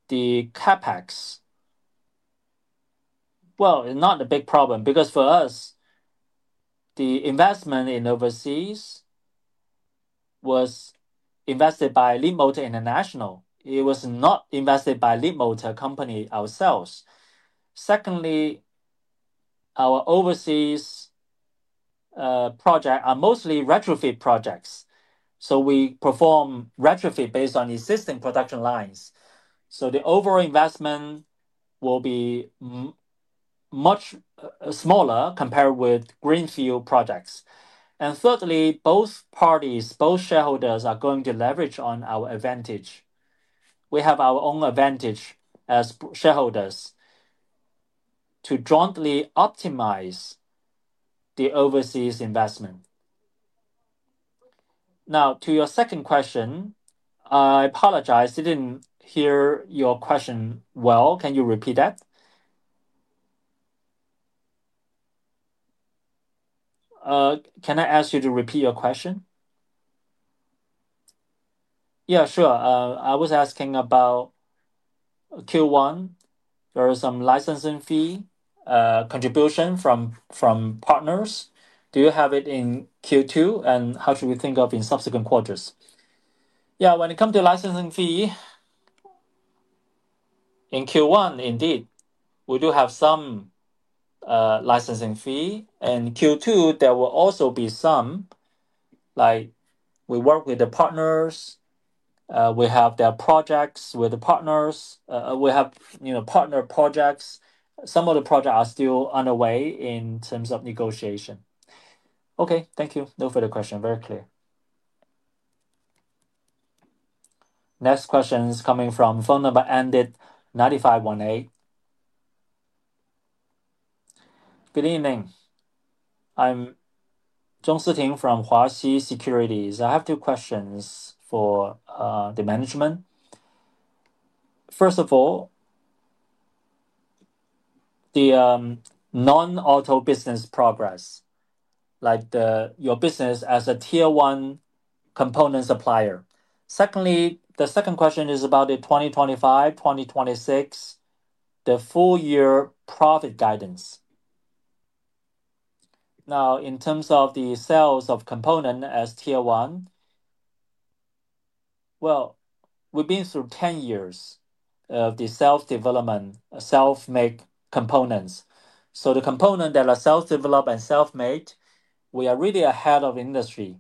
Speaker 3: the CapEx, it's not a big problem because for us, the investment in overseas was invested by Leapmotor International. It was not invested by Leapmotor Company ourselves. Secondly, our overseas projects are mostly retrofit projects. We perform retrofit based on existing production lines. The overall investment will be much smaller compared with greenfield projects. Thirdly, both parties, both shareholders are going to leverage on our advantage. We have our own advantage as shareholders to jointly optimize the overseas investment. Now, to your second question, I apologize. I didn't hear your question well. Can you repeat that? Can I ask you to repeat your question? Yeah, sure. I was asking about Q1. There is some licensing fee contribution from partners. Do you have it in Q2? How should we think of in subsequent quarters? Yeah, when it comes to licensing fee, in Q1, indeed, we do have some licensing fee. In Q2, there will also be some. Like we work with the partners. We have their projects with the partners. We have partner projects. Some of the projects are still underway in terms of negotiation. OK, thank you. No further question. Very clear.
Speaker 1: Next question is coming from phone number ended 9518. Good evening. I'm Zhong Siting from Huazhi Securities. I have two questions for the management. First of all, the non-auto business progress, like your business as a Tier 1 component supplier. Secondly, the second question is about the 2025, 2026, the full-year profit guidance.
Speaker 3: In terms of the sales of components as Tier 1, we've been through 10 years of the self-development, self-made components. The components that are self-developed and self-made, we are really ahead of industry.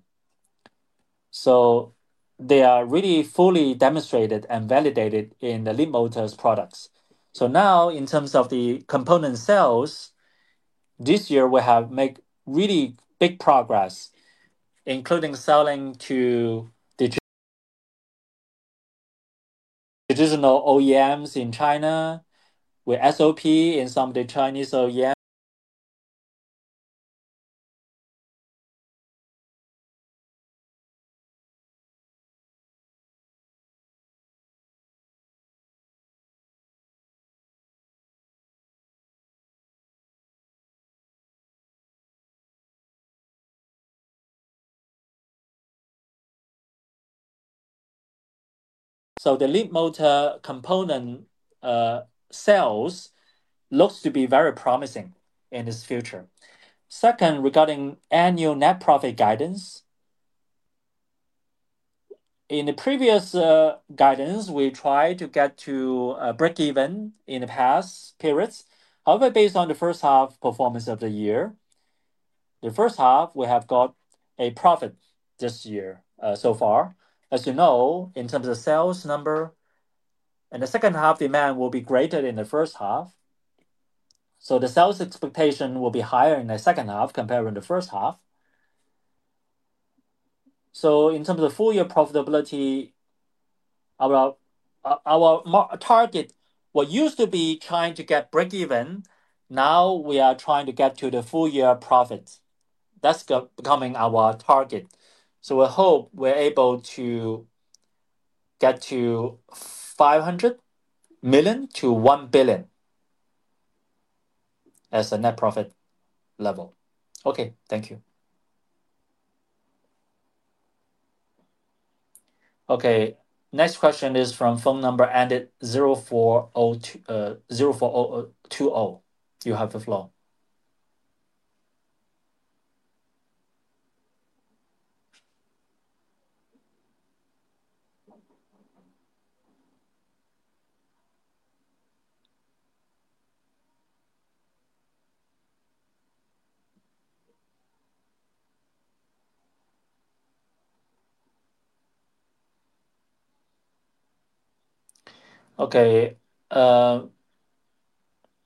Speaker 3: They are really fully demonstrated and validated in Leapmotor's products. Now, in terms of the component sales, this year, we have made really big progress, including selling to the traditional OEMs in China with SOP in some of the Chinese OEMs. The Leapmotor component sales look to be very promising in its future. Second, regarding annual net profit guidance, in the previous guidance, we tried to get to break even in the past periods. However, based on the first half performance of the year, the first half, we have got a profit this year so far. As you know, in terms of sales number, in the second half, demand will be greater than the first half. The sales expectation will be higher in the second half compared with the first half. In terms of full-year profitability, our target used to be trying to get break even. Now, we are trying to get to the full-year profits. That's becoming our target. We hope we're able to get to 500 million-1 billion as a net profit level. OK, thank you.
Speaker 1: Next question is from phone number ended 04020. You have the floor.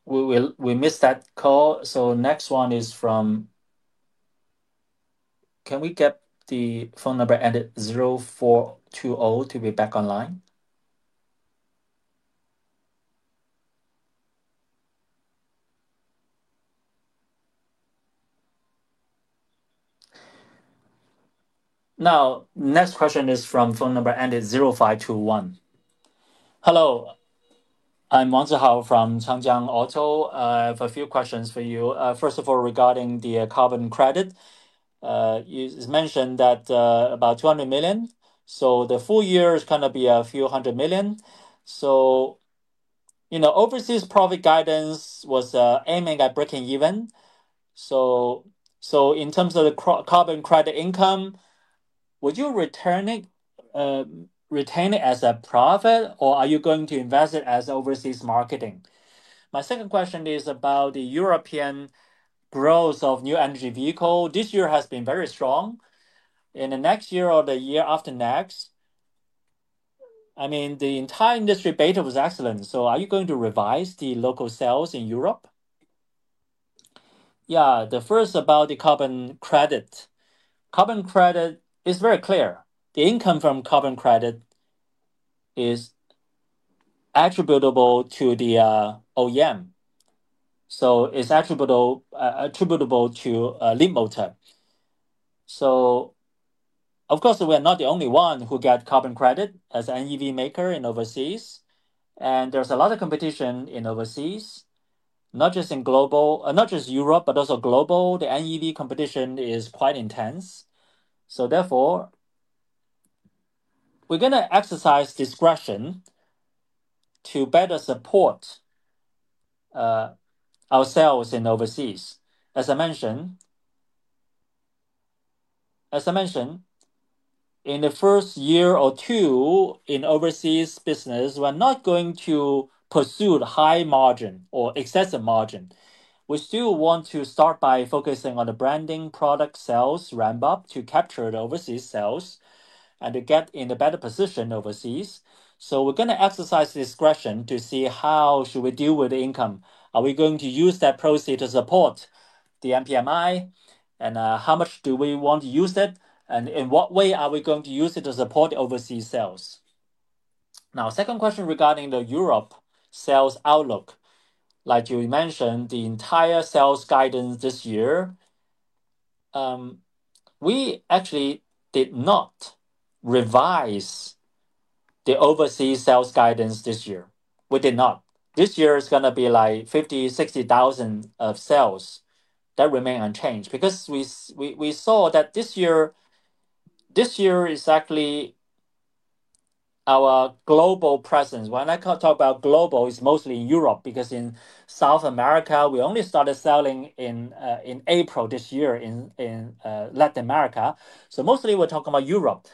Speaker 1: We missed that call. Next one is from, can we get the phone number ended 0420 to be back online? The next question is from phone number ended 0521. Hello. I'm Wan Zihao from Zhangjiang Auto. I have a few questions for you. First of all, regarding the carbon credit, you mentioned that about 200 million. The full year is going to be a few hundred million. Overseas profit guidance was aiming at breaking even. In terms of the carbon credit income, would you retain it as a profit, or are you going to invest it as overseas marketing? My second question is about the European growth of new energy vehicles. This year has been very strong. In the next year or the year after next, I mean, the entire industry beta was excellent. Are you going to revise the local sales in Europe?
Speaker 3: The first about the carbon credit. Carbon credit is very clear. The income from carbon credit is attributable to the OEM. It's attributable to Leapmotor. Of course, we are not the only one who gets carbon credit as an NEV maker in overseas. There's a lot of competition in overseas, not just in Europe, but also global. The NEV competition is quite intense. Therefore, we're going to exercise discretion to better support ourselves in overseas. As I mentioned, in the first year or two in overseas business, we're not going to pursue the high margin or excessive margin. We still want to start by focusing on the branding product sales ramp-up to capture the overseas sales and to get in a better position overseas. We're going to exercise discretion to see how should we deal with the income. Are we going to use that proceed to support the MPMI? How much do we want to use it? In what way are we going to use it to support overseas sales? Second question regarding the Europe sales outlook. Like you mentioned, the entire sales guidance this year, we actually did not revise the overseas sales guidance this year. We did not. This year is going to be like 50,000, 60,000 of sales that remain unchanged because we saw that this year, this year is actually our global presence. When I talk about global, it's mostly in Europe because in South America, we only started selling in April this year in Latin America. Mostly we're talking about Europe.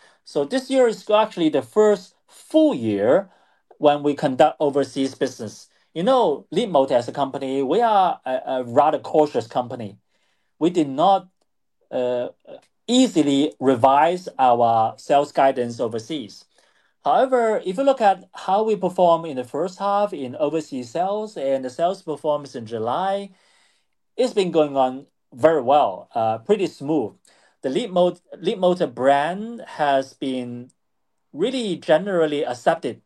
Speaker 3: This year is actually the first full year when we conduct overseas business. You know, Leapmotor as a company, we are a rather cautious company. We did not easily revise our sales guidance overseas. However, if you look at how we perform in the first half in overseas sales and the sales performance in July, it's been going on very well, pretty smooth. The Leapmotor brand has been really generally accepted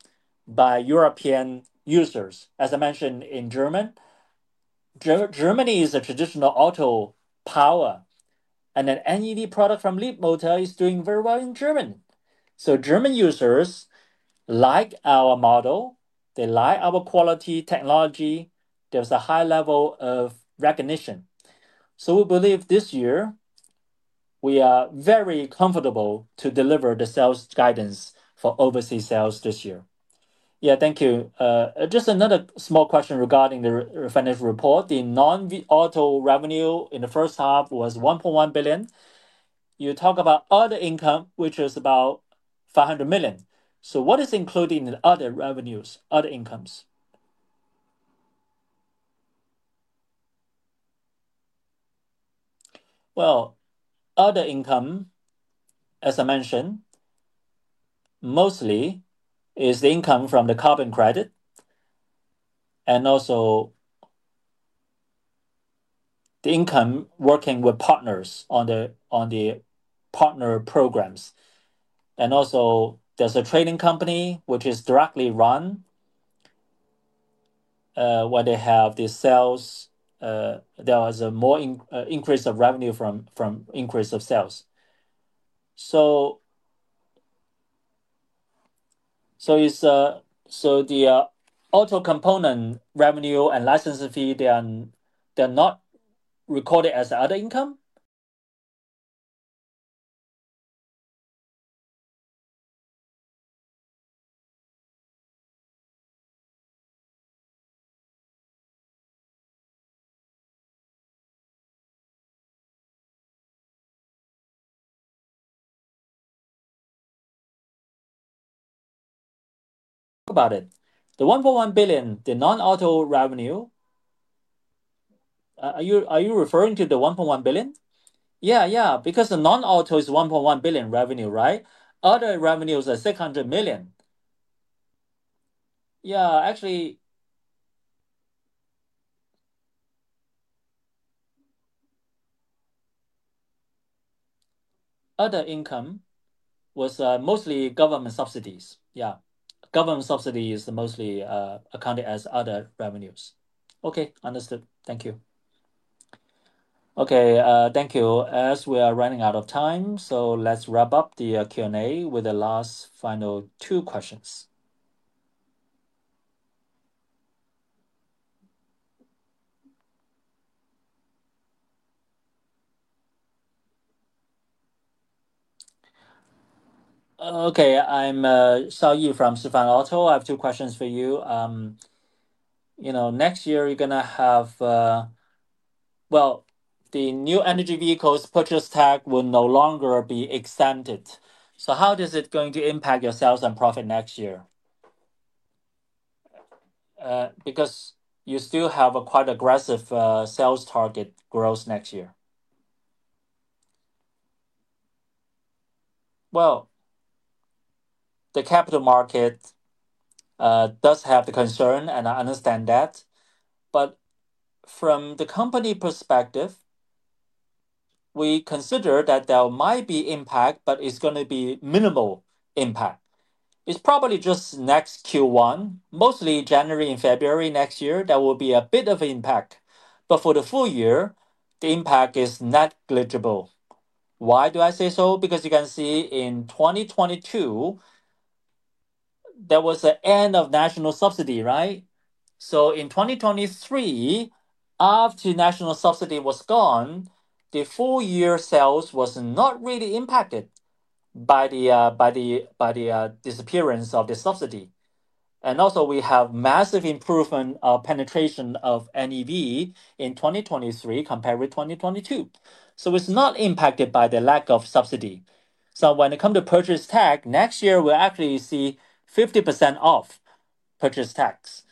Speaker 3: by European users. As I mentioned in Germany, Germany is a traditional auto power. An NED product from Leapmotor is doing very well in Germany. German users like our model. They like our quality technology. There's a high level of recognition. We believe this year, we are very comfortable to deliver the sales guidance for overseas sales this year. Yeah, thank you. Just another small question regarding the financial report. The non-auto revenue in the first half was 1.1 billion. You talk about other income, which is about 500 million. What is included in the other revenues, other incomes? Other income, as I mentioned, mostly is the income from the carbon credit and also the income working with partners on the partner programs. Also, there's a trading company, which is directly run where they have the sales. There was a more increase of revenue from increase of sales. The auto component revenue and licensing fee, they are not recorded as the other income. Who bought it? The 1.1 billion, the non-auto revenue. Are you referring to the 1.1 billion? Yeah, yeah, because the non-auto is 1.1 billion revenue, right? Other revenues are 600 million. Yeah, actually, other income was mostly government subsidies. Government subsidies mostly accounted as other revenues. OK, understood. Thank you.
Speaker 1: OK, thank you. As we are running out of time, let's wrap up the Q&A with the last final two questions. OK, I'm Xiaoyu from Zhifang Auto. I have two questions for you. Next year, you're going to have, well, the new energy vehicles purchase tag will no longer be extended. How is it going to impact your sales and profit next year? Because you still have quite aggressive sales target growth next year.
Speaker 3: The capital market does have the concern, and I understand that. From the company perspective, we consider that there might be impact, but it's going to be minimal impact. It's probably just next Q1, mostly January and February next year, there will be a bit of impact. For the full year, the impact is negligible. Why do I say so? You can see in 2022, there was the end of national subsidy, right? In 2023, after the national subsidy was gone, the full-year sales were not really impacted by the disappearance of the subsidy. Also, we have massive improvement of penetration of NEV in 2023 compared with 2022. It's not impacted by the lack of subsidy. When it comes to purchase tax, next year, we'll actually see 50% off purchase tax.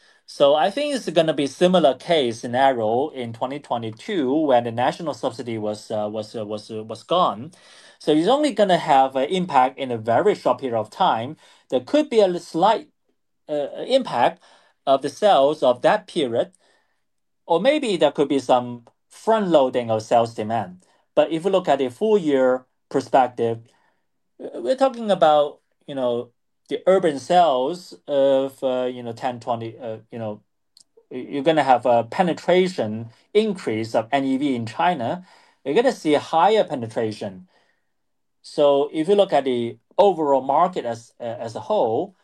Speaker 3: I think it's going to be a similar case scenario in 2022 when the national subsidy was gone. It's only going to have an impact in a very short period of time. There could be a slight impact of the sales of that period, or maybe there could be some front-loading of sales demand. If you look at a four-year perspective, we're talking about, you know, the urban sales of, you know, 10, 20... You're going to have a penetration increase of NEV in China. You're going to see a higher penetration. If you look at the overall market as a whole,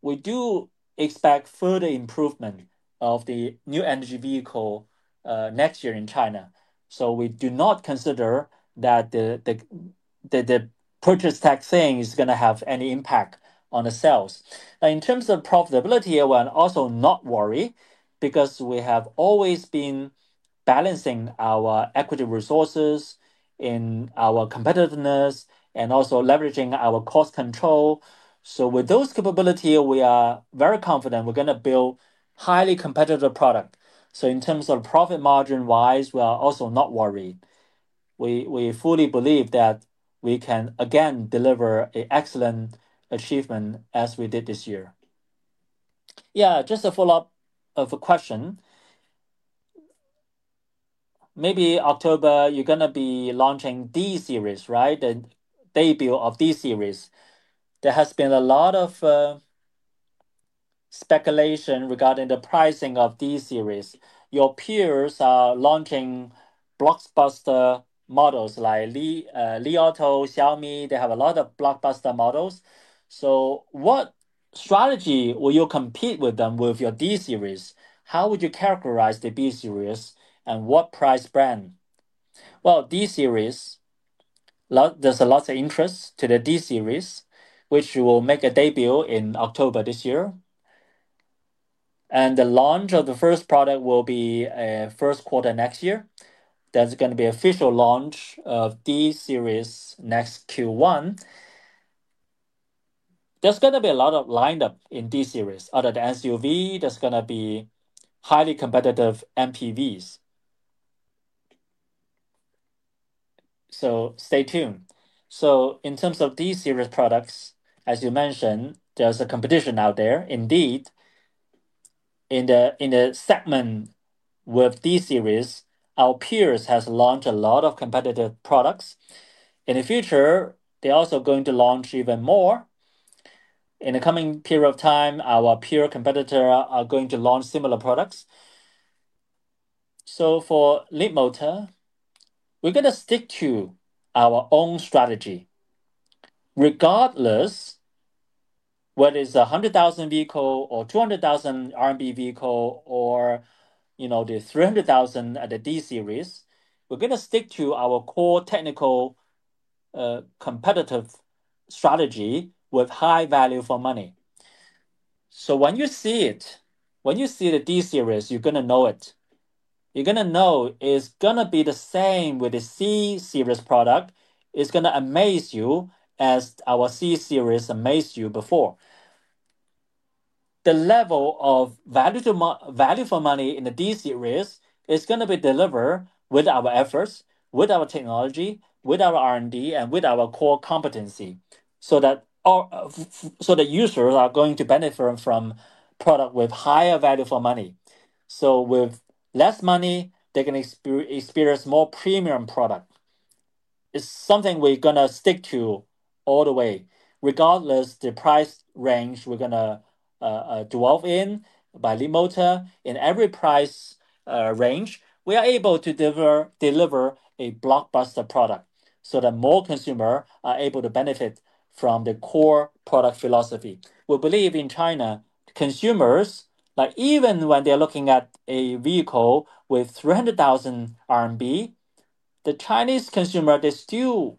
Speaker 3: we do expect further improvement of the new energy vehicle next year in China. We do not consider that the purchase tax thing is going to have any impact on the sales. In terms of profitability, I want to also not worry because we have always been balancing our equity resources in our competitiveness and also leveraging our cost control. With those capabilities, we are very confident we're going to build a highly competitive product. In terms of profit margin-wise, we are also not worried. We fully believe that we can again deliver an excellent achievement as we did this year. Just a follow-up of a question. Maybe in October, you're going to be launching D-Series, right? The debut of D-Series. There has been a lot of speculation regarding the pricing of D-Series. Your peers are launching blockbuster models like Li Auto, Xiaomi. They have a lot of blockbuster models. What strategy will you compete with them with your D-Series? How would you characterize the B-Series and what price brand? D-Series, there's a lot of interest in the D-Series, which will make a debut in October this year. The launch of the first product will be in the first quarter next year. There is going to be an official launch of D-Series next Q1. There is going to be a lot of lineups in D-Series other than SUV. There is going to be highly competitive MPVs. Stay tuned. In terms of D-Series products, as you mentioned, there is a competition out there. Indeed, in the segment with D-Series, our peers have launched a lot of competitive products. In the future, they are also going to launch even more. In the coming period of time, our peer competitors are going to launch similar products. For Leapmotor, we are going to stick to our own strategy. Regardless of whether it is 100,000 vehicle or 200,000 RMB vehicle or, you know, the 300,000 at the D-Series, we are going to stick to our core technical competitive strategy with high value for money. When you see it, when you see the D-Series, you are going to know it. You are going to know it is going to be the same with the C-Series product. It is going to amaze you as our C-Series amazed you before. The level of value for money in the D-Series is going to be delivered with our efforts, with our technology, with our R&D, and with our core competency. The users are going to benefit from a product with higher value for money. With less money, they are going to experience a more premium product. It is something we are going to stick to all the way. Regardless of the price range we are going to dwell in by Leapmotor, in every price range, we are able to deliver a blockbuster product. The more consumers are able to benefit from the core product philosophy. We believe in China, consumers, like even when they are looking at a vehicle with 300,000 RMB, the Chinese consumers, they still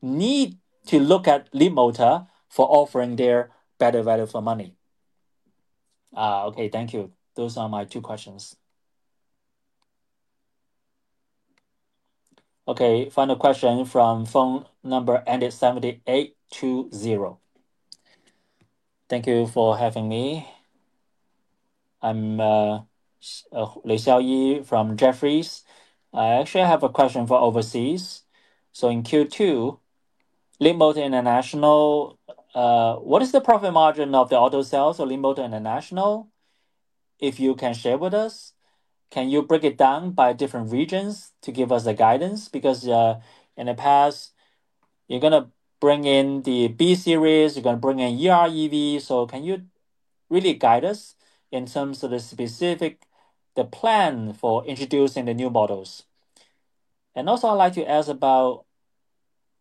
Speaker 3: need to look at Leapmotor for offering better value for money. OK, thank you. Those are my two questions.
Speaker 1: OK, final question from phone number ended 7820. Thank you for having me. I am Li Xiaoyi from Jefferies. I actually have a question from overseas. In Q2, Leapmotor International, what is the profit margin of the auto sales for Leapmotor International? If you can share with us, can you break it down by different regions to give us the guidance? Because in the past, you are going to bring in the B-Series, you are going to bring in EREV. Can you really guide us in terms of the specific plan for introducing the new models? I would also like to ask about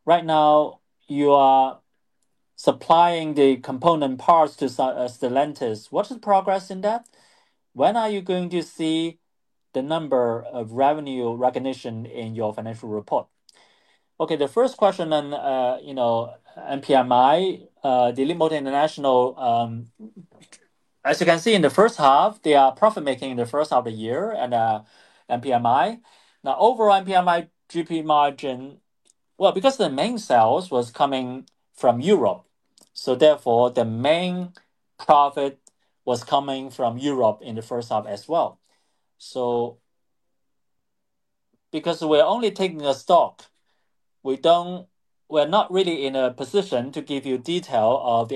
Speaker 1: right now, you are supplying the component parts to Stellantis. What's the progress in that? When are you going to see the number of revenue recognition in your financial report?
Speaker 3: OK, the first question on MPMI, the Leapmotor International, as you can see in the first half, they are profit-making in the first half of the year on MPMI. Now, overall MPMI GP margin, because the main sales were coming from Europe, the main profit was coming from Europe in the first half as well. Because we're only taking a stock, we're not really in a position to give you detail of the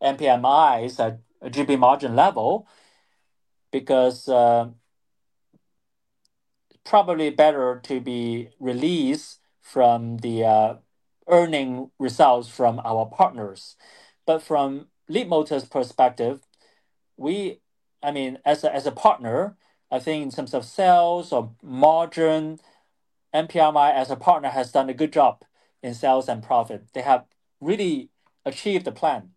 Speaker 3: MPMI's GP margin level because it's probably better to be released from the earning results from our partners. From Leapmotor's perspective, we, I mean, as a partner, I think in terms of sales or margin, MPMI as a partner has done a good job in sales and profit. They have really achieved the plan.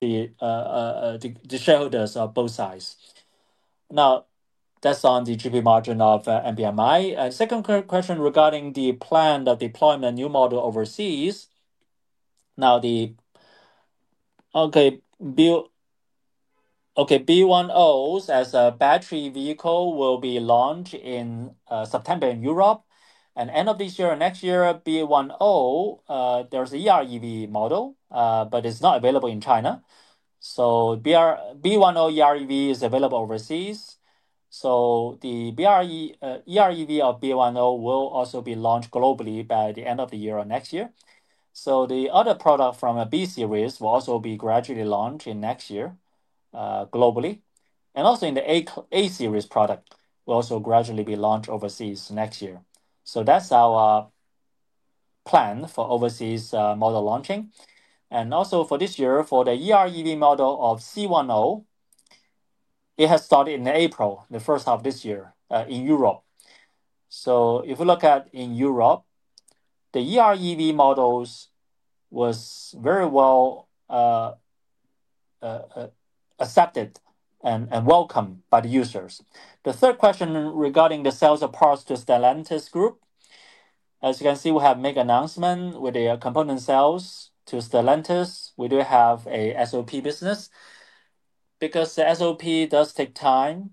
Speaker 3: The shareholders on both sides. That's on the GP margin of MPMI. Second question regarding the plan of deployment of the new model overseas. The B10s as a battery vehicle will be launched in September in Europe. End of this year or next year, B10, there's the EREV model, but it's not available in China. B10 EREV is available overseas. The EREV of B10 will also be launched globally by the end of the year or next year. The other product from a B-Series will also be gradually launched next year globally. Also, the A-Series product will also gradually be launched overseas next year. That's our plan for overseas model launching. For this year, for the EREV model of C10, it has started in April, the first half of this year in Europe. If you look at in Europe, the EREV models were very well accepted and welcomed by the users. The third question regarding the sales of parts to the Stellantis group. As you can see, we have a mega announcement with the component sales to Stellantis. We do have an SOP business. Because the SOP does take time,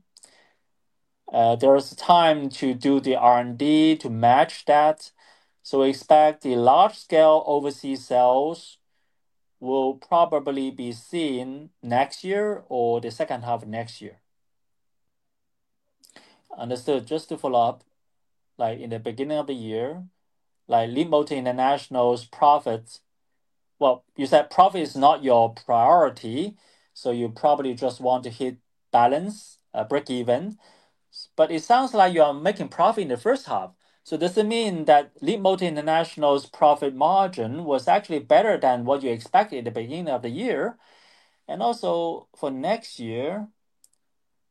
Speaker 3: there's time to do the R&D to match that. We expect the large-scale overseas sales will probably be seen next year or the second half of next year. Understood. Just to follow up, like in the beginning of the year, Leapmotor International's profits, you said profit is not your priority. You probably just want to hit balance, break even. It sounds like you are making profit in the first half. Does it mean that Leapmotor International's profit margin was actually better than what you expected at the beginning of the year? For next year,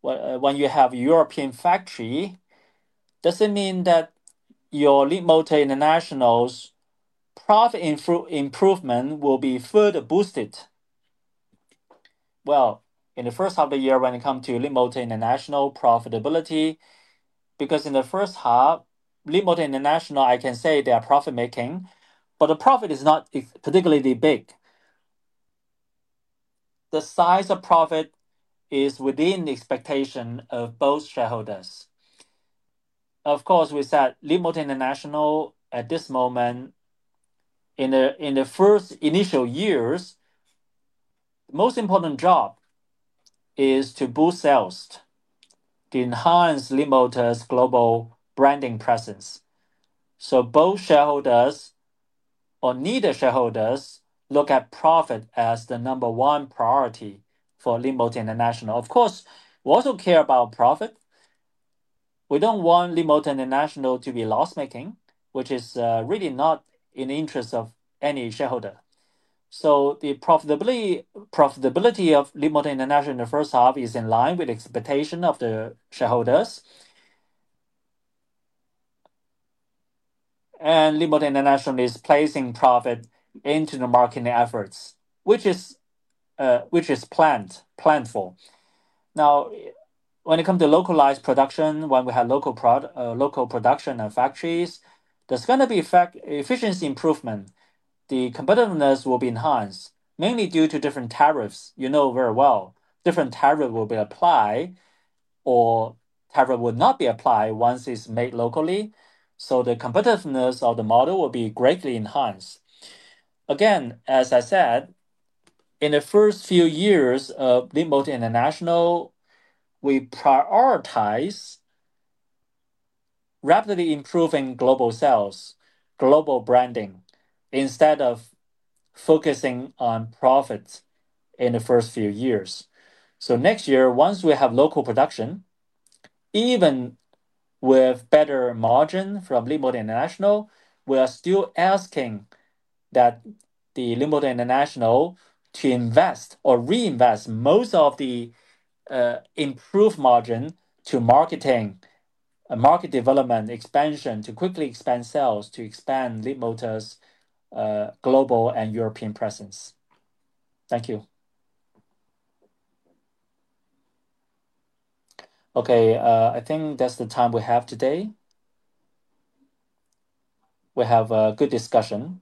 Speaker 3: when you have a European factory, does it mean that Leapmotor International's profit improvement will be further boosted? In the first half of the year, when it comes to Leapmotor International's profitability, because in the first half, Leapmotor International, I can say they are profit-making, but the profit is not particularly big. The size of profit is within the expectation of both shareholders. Of course, we said Leapmotor International at this moment, in the first initial years, the most important job is to boost sales, to enhance Leapmotor's global branding presence. Both shareholders, or neither shareholder, look at profit as the number one priority for Leapmotor International. Of course, we also care about profit. We don't want Leapmotor International to be loss-making, which is really not in the interest of any shareholder. The profitability of Leapmotor International in the first half is in line with the expectation of the shareholders. Leapmotor International is placing profit into the marketing efforts, which is planned for. Now, when it comes to localized production, when we have local production and factories, there's going to be efficiency improvement. The competitiveness will be enhanced, mainly due to different tariffs. You know very well, different tariffs will be applied or tariffs will not be applied once it's made locally. The competitiveness of the model will be greatly enhanced. As I said, in the first few years of Leapmotor International, we prioritize rapidly improving global sales, global branding, instead of focusing on profit in the first few years. Next year, once we have local production, even with better margin from Leapmotor International, we are still asking that Leapmotor International invest or reinvest most of the improved margin to marketing, market development, expansion, to quickly expand sales, to expand Leapmotor's global and European presence. Thank you.
Speaker 1: OK, I think that's the time we have today. We have a good discussion.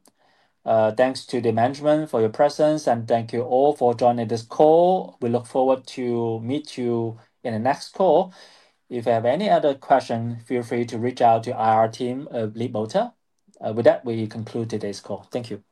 Speaker 1: Thanks to the management for your presence, and thank you all for joining this call. We look forward to meeting you in the next call. If you have any other questions, feel free to reach out to our team at Leapmotor. With that, we conclude today's call. Thank you.